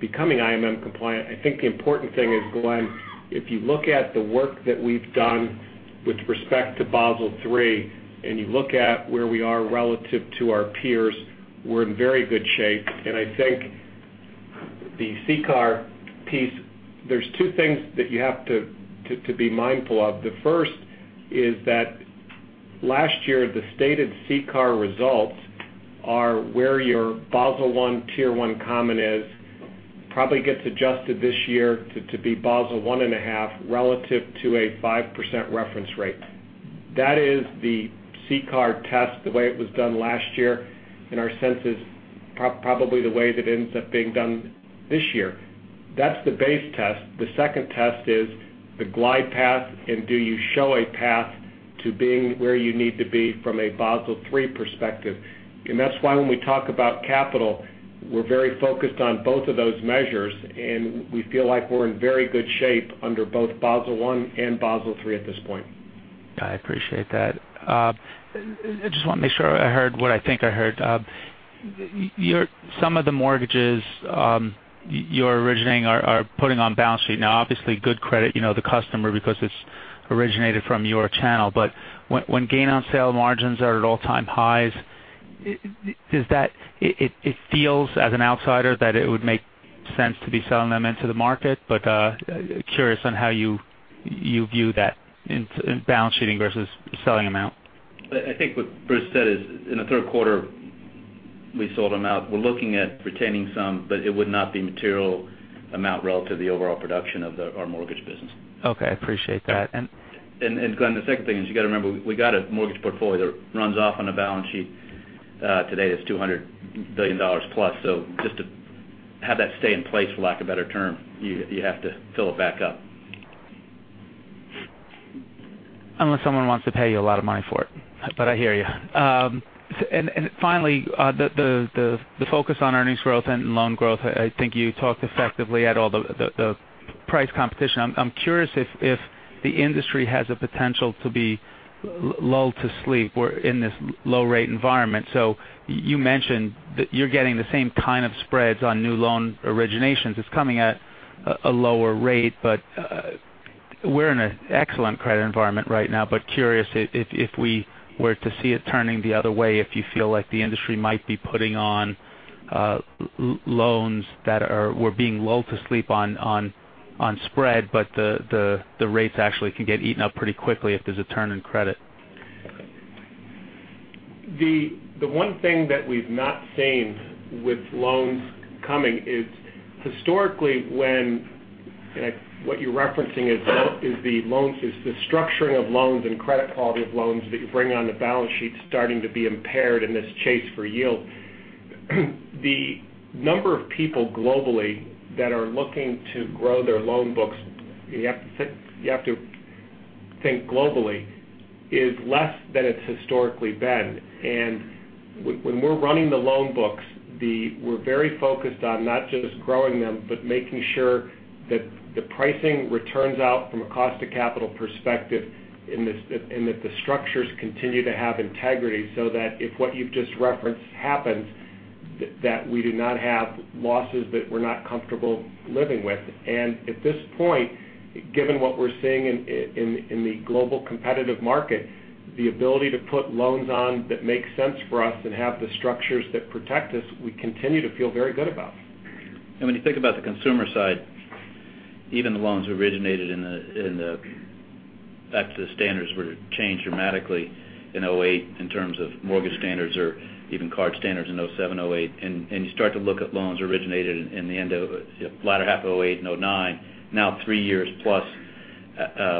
becoming IMM compliant. I think the important thing is, Glenn, if you look at the work that we've done with respect to Basel III, you look at where we are relative to our peers, we're in very good shape. I think the CCAR piece, there's two things that you have to be mindful of. The first is that last year, the stated CCAR results are where your Basel I, Tier 1 common is. Probably gets adjusted this year to be Basel 1.5 relative to a 5% reference rate. That is the CCAR test the way it was done last year. Our sense is probably the way that ends up being done this year. That's the base test. The second test is the glide path and do you show a path to being where you need to be from a Basel III perspective. That's why when we talk about capital, we're very focused on both of those measures, and we feel like we're in very good shape under both Basel I and Basel III at this point. I appreciate that. I just want to make sure I heard what I think I heard. Some of the mortgages you're originating are putting on balance sheet. Now, obviously, good credit, you know the customer because it's originated from your channel. When gain on sale margins are at all-time highs, it feels as an outsider that it would make sense to be selling them into the market. Curious on how you view that in balance sheeting versus selling them out. I think what Bruce said is in the third quarter, we sold them out. We're looking at retaining some, but it would not be material amount relative to the overall production of our mortgage business. Okay, I appreciate that. Glenn, the second thing is you got to remember, we got a mortgage portfolio that runs off on a balance sheet today that's $200 billion plus. Just to have that stay in place, for lack of a better term, you have to fill it back up. Unless someone wants to pay you a lot of money for it, I hear you. Finally, the focus on earnings growth and loan growth. I think you talked effectively at all the price competition. I'm curious if the industry has a potential to be lulled to sleep in this low-rate environment. You mentioned that you're getting the same kind of spreads on new loan originations. It's coming at a lower rate, we're in an excellent credit environment right now, curious if we were to see it turning the other way, if you feel like the industry might be putting on loans that were being lulled to sleep on spread, the rates actually can get eaten up pretty quickly if there's a turn in credit. The one thing that we've not seen with loans coming is historically when, what you're referencing is the structuring of loans and credit quality of loans that you bring on the balance sheet starting to be impaired in this chase for yield. The number of people globally that are looking to grow their loan books, you have to think globally, is less than it's historically been. When we're running the loan books, we're very focused on not just growing them, but making sure that the pricing returns out from a cost to capital perspective, and that the structures continue to have integrity so that if what you've just referenced happens, that we do not have losses that we're not comfortable living with. At this point, given what we're seeing in the global competitive market, the ability to put loans on that make sense for us and have the structures that protect us, we continue to feel very good about. When you think about the consumer side, even the loans originated back to the standards were changed dramatically in 2008 in terms of mortgage standards or even card standards in 2007, 2008. You start to look at loans originated in the latter half of 2008 and 2009. Now, three years plus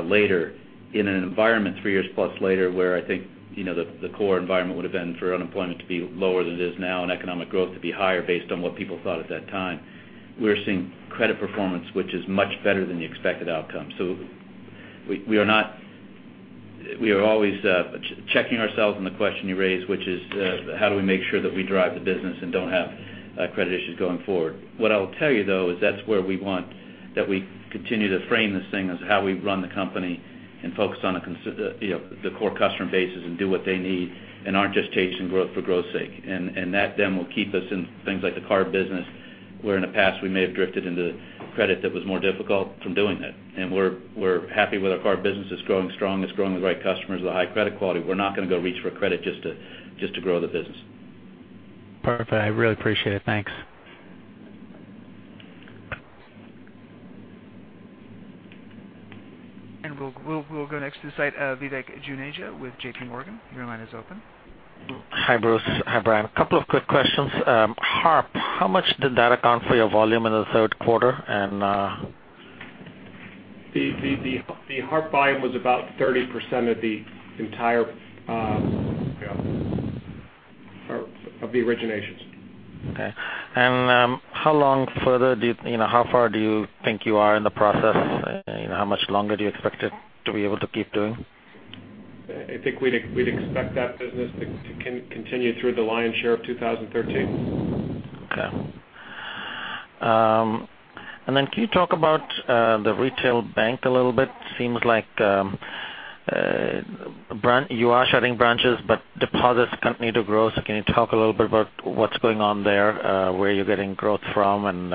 later, in an environment three years plus later, where I think the core environment would have been for unemployment to be lower than it is now and economic growth to be higher based on what people thought at that time. We're seeing credit performance, which is much better than the expected outcome. We are always checking ourselves on the question you raised, which is how do we make sure that we drive the business and don't have credit issues going forward. What I'll tell you though is that's where we want that we continue to frame this thing as how we run the company and focus on the core customer bases and do what they need and aren't just chasing growth for growth's sake. That then will keep us in things like the card business, where in the past we may have drifted into credit that was more difficult from doing that. We're happy with our card business. It's growing strong. It's growing the right customers with a high credit quality. We're not going to go reach for credit just to grow the business. Perfect. I really appreciate it. Thanks. We'll go next to the line, Vivek Juneja with JPMorgan. Your line is open. Hi, Bruce. Hi, Brian. A couple of quick questions. HARP, how much did that account for your volume in the third quarter and The HARP volume was about 30% of the Yeah of the originations. Okay. How far do you think you are in the process? How much longer do you expect it to be able to keep doing? I think we'd expect that business to continue through the lion's share of 2013. Okay. Can you talk about the retail bank a little bit? Seems like you are shutting branches, but deposits continue to grow. Can you talk a little bit about what's going on there, where you're getting growth from, and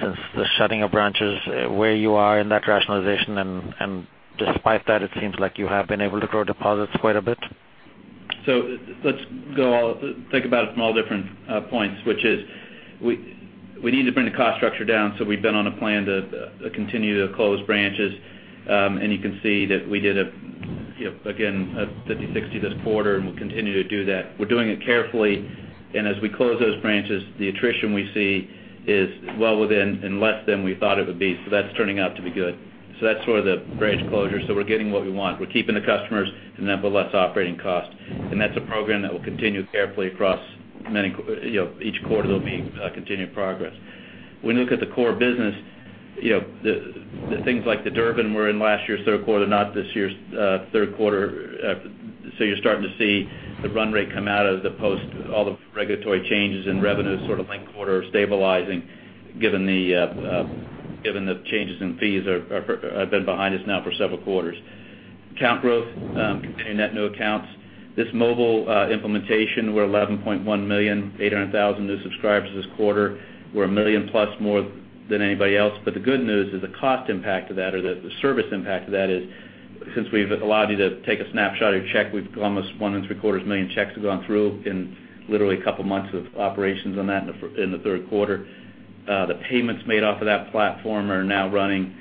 since the shutting of branches, where you are in that rationalization? Despite that, it seems like you have been able to grow deposits quite a bit. Let's think about it from all different points, which is we need to bring the cost structure down. We've been on a plan to continue to close branches. You can see that we did, again, 50, 60 this quarter, and we'll continue to do that. We're doing it carefully. As we close those branches, the attrition we see is well within and less than we thought it would be. That's turning out to be good. That's sort of the branch closure. We're getting what we want. We're keeping the customers and then with less operating cost. That's a program that will continue carefully across each quarter there'll be continued progress. When you look at the core business, the things like the Durbin were in last year's third quarter, not this year's third quarter. You're starting to see the run rate come out of the post, all the regulatory changes in revenues sort of linked quarter stabilizing given the changes in fees have been behind us now for several quarters. Account growth, continuing net new accounts. This mobile implementation, we're $11.1 million, 800,000 new subscribers this quarter. We're $1 million plus more than anybody else. The good news is the cost impact of that or the service impact of that is, since we've allowed you to take a snapshot of your check, almost one and three quarters million checks have gone through in literally a couple of months of operations on that in the third quarter. The payments made off of that platform are now running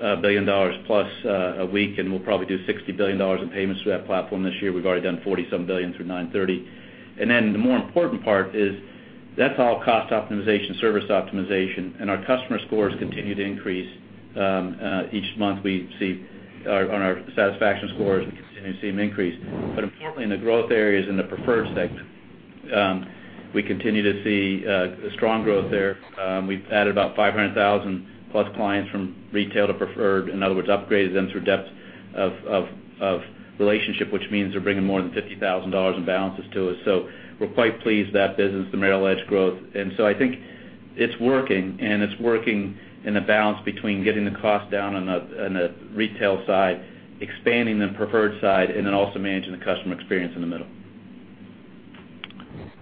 $1 billion plus a week, and we'll probably do $60 billion in payments through that platform this year. We've already done $47 billion through 9/30. The more important part is that's all cost optimization, service optimization, and our customer scores continue to increase. Each month we see on our satisfaction scores, we continue to see them increase. Importantly, in the growth areas in the preferred sector, we continue to see strong growth there. We've added about 500,000 plus clients from retail to preferred, in other words, upgraded them through depth of relationship, which means they're bringing more than $50,000 in balances to us. We're quite pleased with that business, the Merrill Edge growth. I think it's working, and it's working in a balance between getting the cost down on the retail side, expanding the preferred side, and also managing the customer experience in the middle.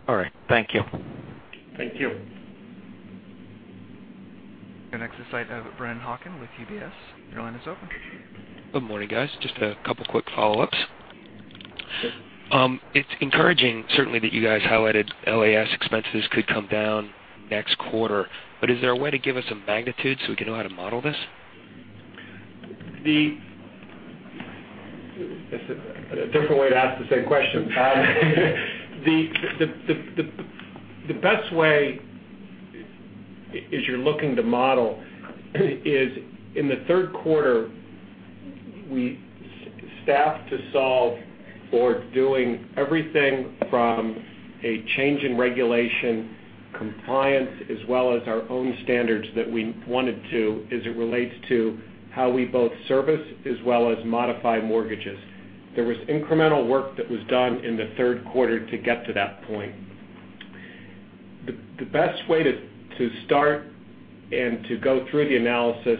All right. Thank you. Thank you. The next is the line of Brennan Hawken with UBS. Your line is open. Good morning, guys. Just two quick follow-ups. It's encouraging certainly that you guys highlighted LAS expenses could come down next quarter. Is there a way to give us a magnitude so we can know how to model this? It's a different way to ask the same question. The best way is you're looking to model is in the third quarter, we staffed to solve for doing everything from a change in regulation compliance as well as our own standards that we wanted to as it relates to how we both service as well as modify mortgages. There was incremental work that was done in the third quarter to get to that point. The best way to start and to go through the analysis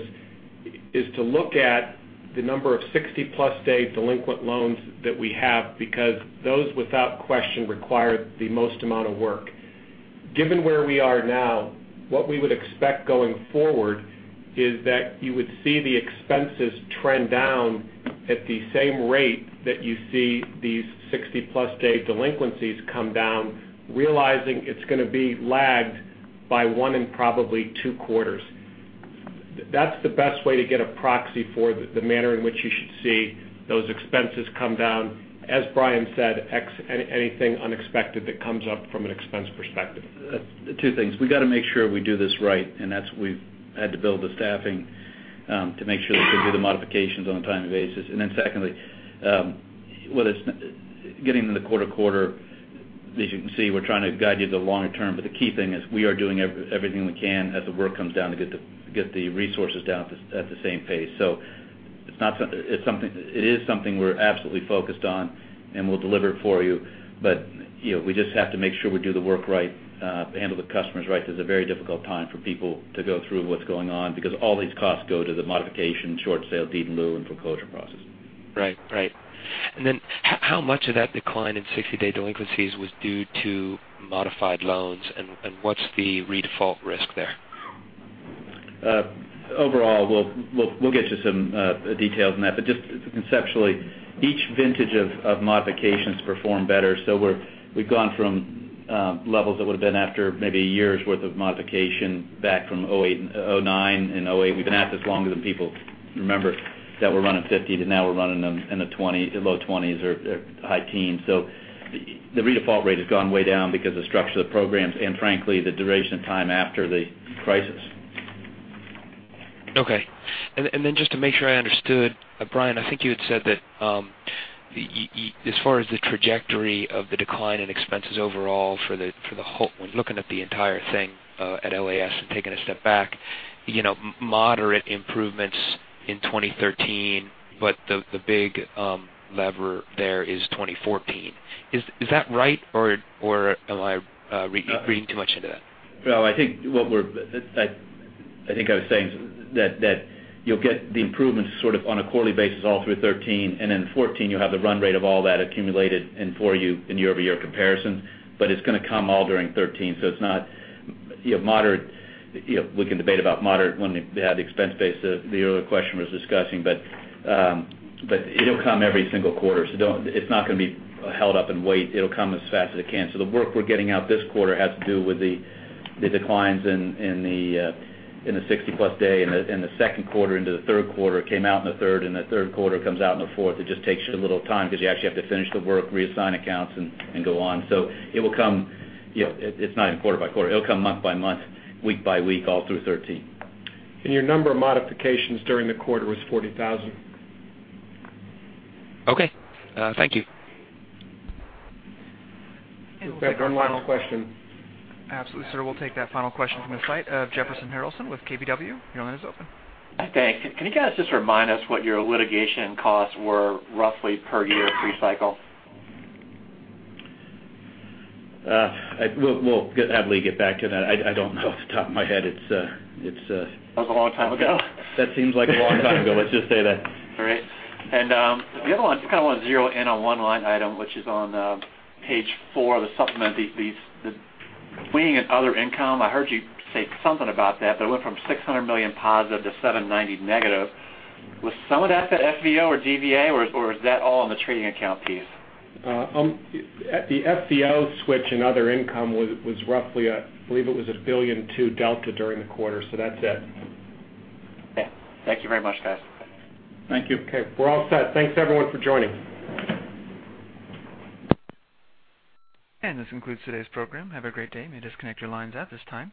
is to look at the number of 60-plus day delinquent loans that we have because those, without question, require the most amount of work. Given where we are now, what we would expect going forward is that you would see the expenses trend down at the same rate that you see these 60-plus day delinquencies come down, realizing it's going to be lagged by one and probably two quarters. That's the best way to get a proxy for the manner in which you should see those expenses come down. As Brian said, anything unexpected that comes up from an expense perspective. Two things. We got to make sure we do this right, and that's we've had to build the staffing to make sure that we do the modifications on a timely basis. Secondly, getting to the quarter-over-quarter, as you can see, we're trying to guide you to the longer term, the key thing is we are doing everything we can as the work comes down to get the resources down at the same pace. It is something we're absolutely focused on, and we'll deliver it for you, we just have to make sure we do the work right, handle the customers right. This is a very difficult time for people to go through what's going on because all these costs go to the modification, short sale, deed in lieu, and foreclosure process. Right. How much of that decline in 60-day delinquencies was due to modified loans, and what's the redefault risk there? Overall, we'll get you some details on that. Just conceptually, each vintage of modifications performed better. We've gone from levels that would have been after maybe a year's worth of modification back from 2009 and 2008. We've been at this longer than people remember that were running 50 to now we're running them in the low 20s or high teens. The redefault rate has gone way down because of the structure of the programs and frankly, the duration of time after the crisis. Okay. Just to make sure I understood, Brian, I think you had said that as far as the trajectory of the decline in expenses overall when looking at the entire thing at LAS and taking a step back, moderate improvements in 2013, the big lever there is 2014. Is that right, or am I reading too much into that? No, I think I was saying that you'll get the improvements sort of on a quarterly basis all through 2013, then 2014, you'll have the run rate of all that accumulated in for you in year-over-year comparisons. It's going to come all during 2013. We can debate about moderate when we have the expense base that your other question was discussing, but it'll come every single quarter. It's not going to be held up in wait. It'll come as fast as it can. The work we're getting out this quarter has to do with the declines in the 60-plus day in the second quarter into the third quarter. It came out in the third, and the third quarter comes out in the fourth. It just takes you a little time because you actually have to finish the work, reassign accounts, and go on. It's not even quarter by quarter. It'll come month by month, week by week, all through 2013. Your number of modifications during the quarter was 40,000. Okay. Thank you. We've got one last question. Absolutely, sir. We'll take that final question from the site. Jefferson Harralson with KBW, your line is open. Thanks. Can you guys just remind us what your litigation costs were roughly per year pre-cycle? I will happily get back to that. I don't know off the top of my head. That was a long time ago. That seems like a long time ago, let's just say that. All right. The other one, I kind of want to zero in on one line item, which is on page four of the supplement, the swinging and other income. I heard you say something about that, but it went from $600 million positive to $790 million negative. Was some of that the FVO or DVA, or is that all on the trading account piece? The FVO switch and other income was roughly, I believe it was $1.2 billion delta during the quarter. That's it. Okay. Thank you very much, guys. Thank you. Okay, we're all set. Thanks everyone for joining. This concludes today's program. Have a great day. You may disconnect your lines at this time.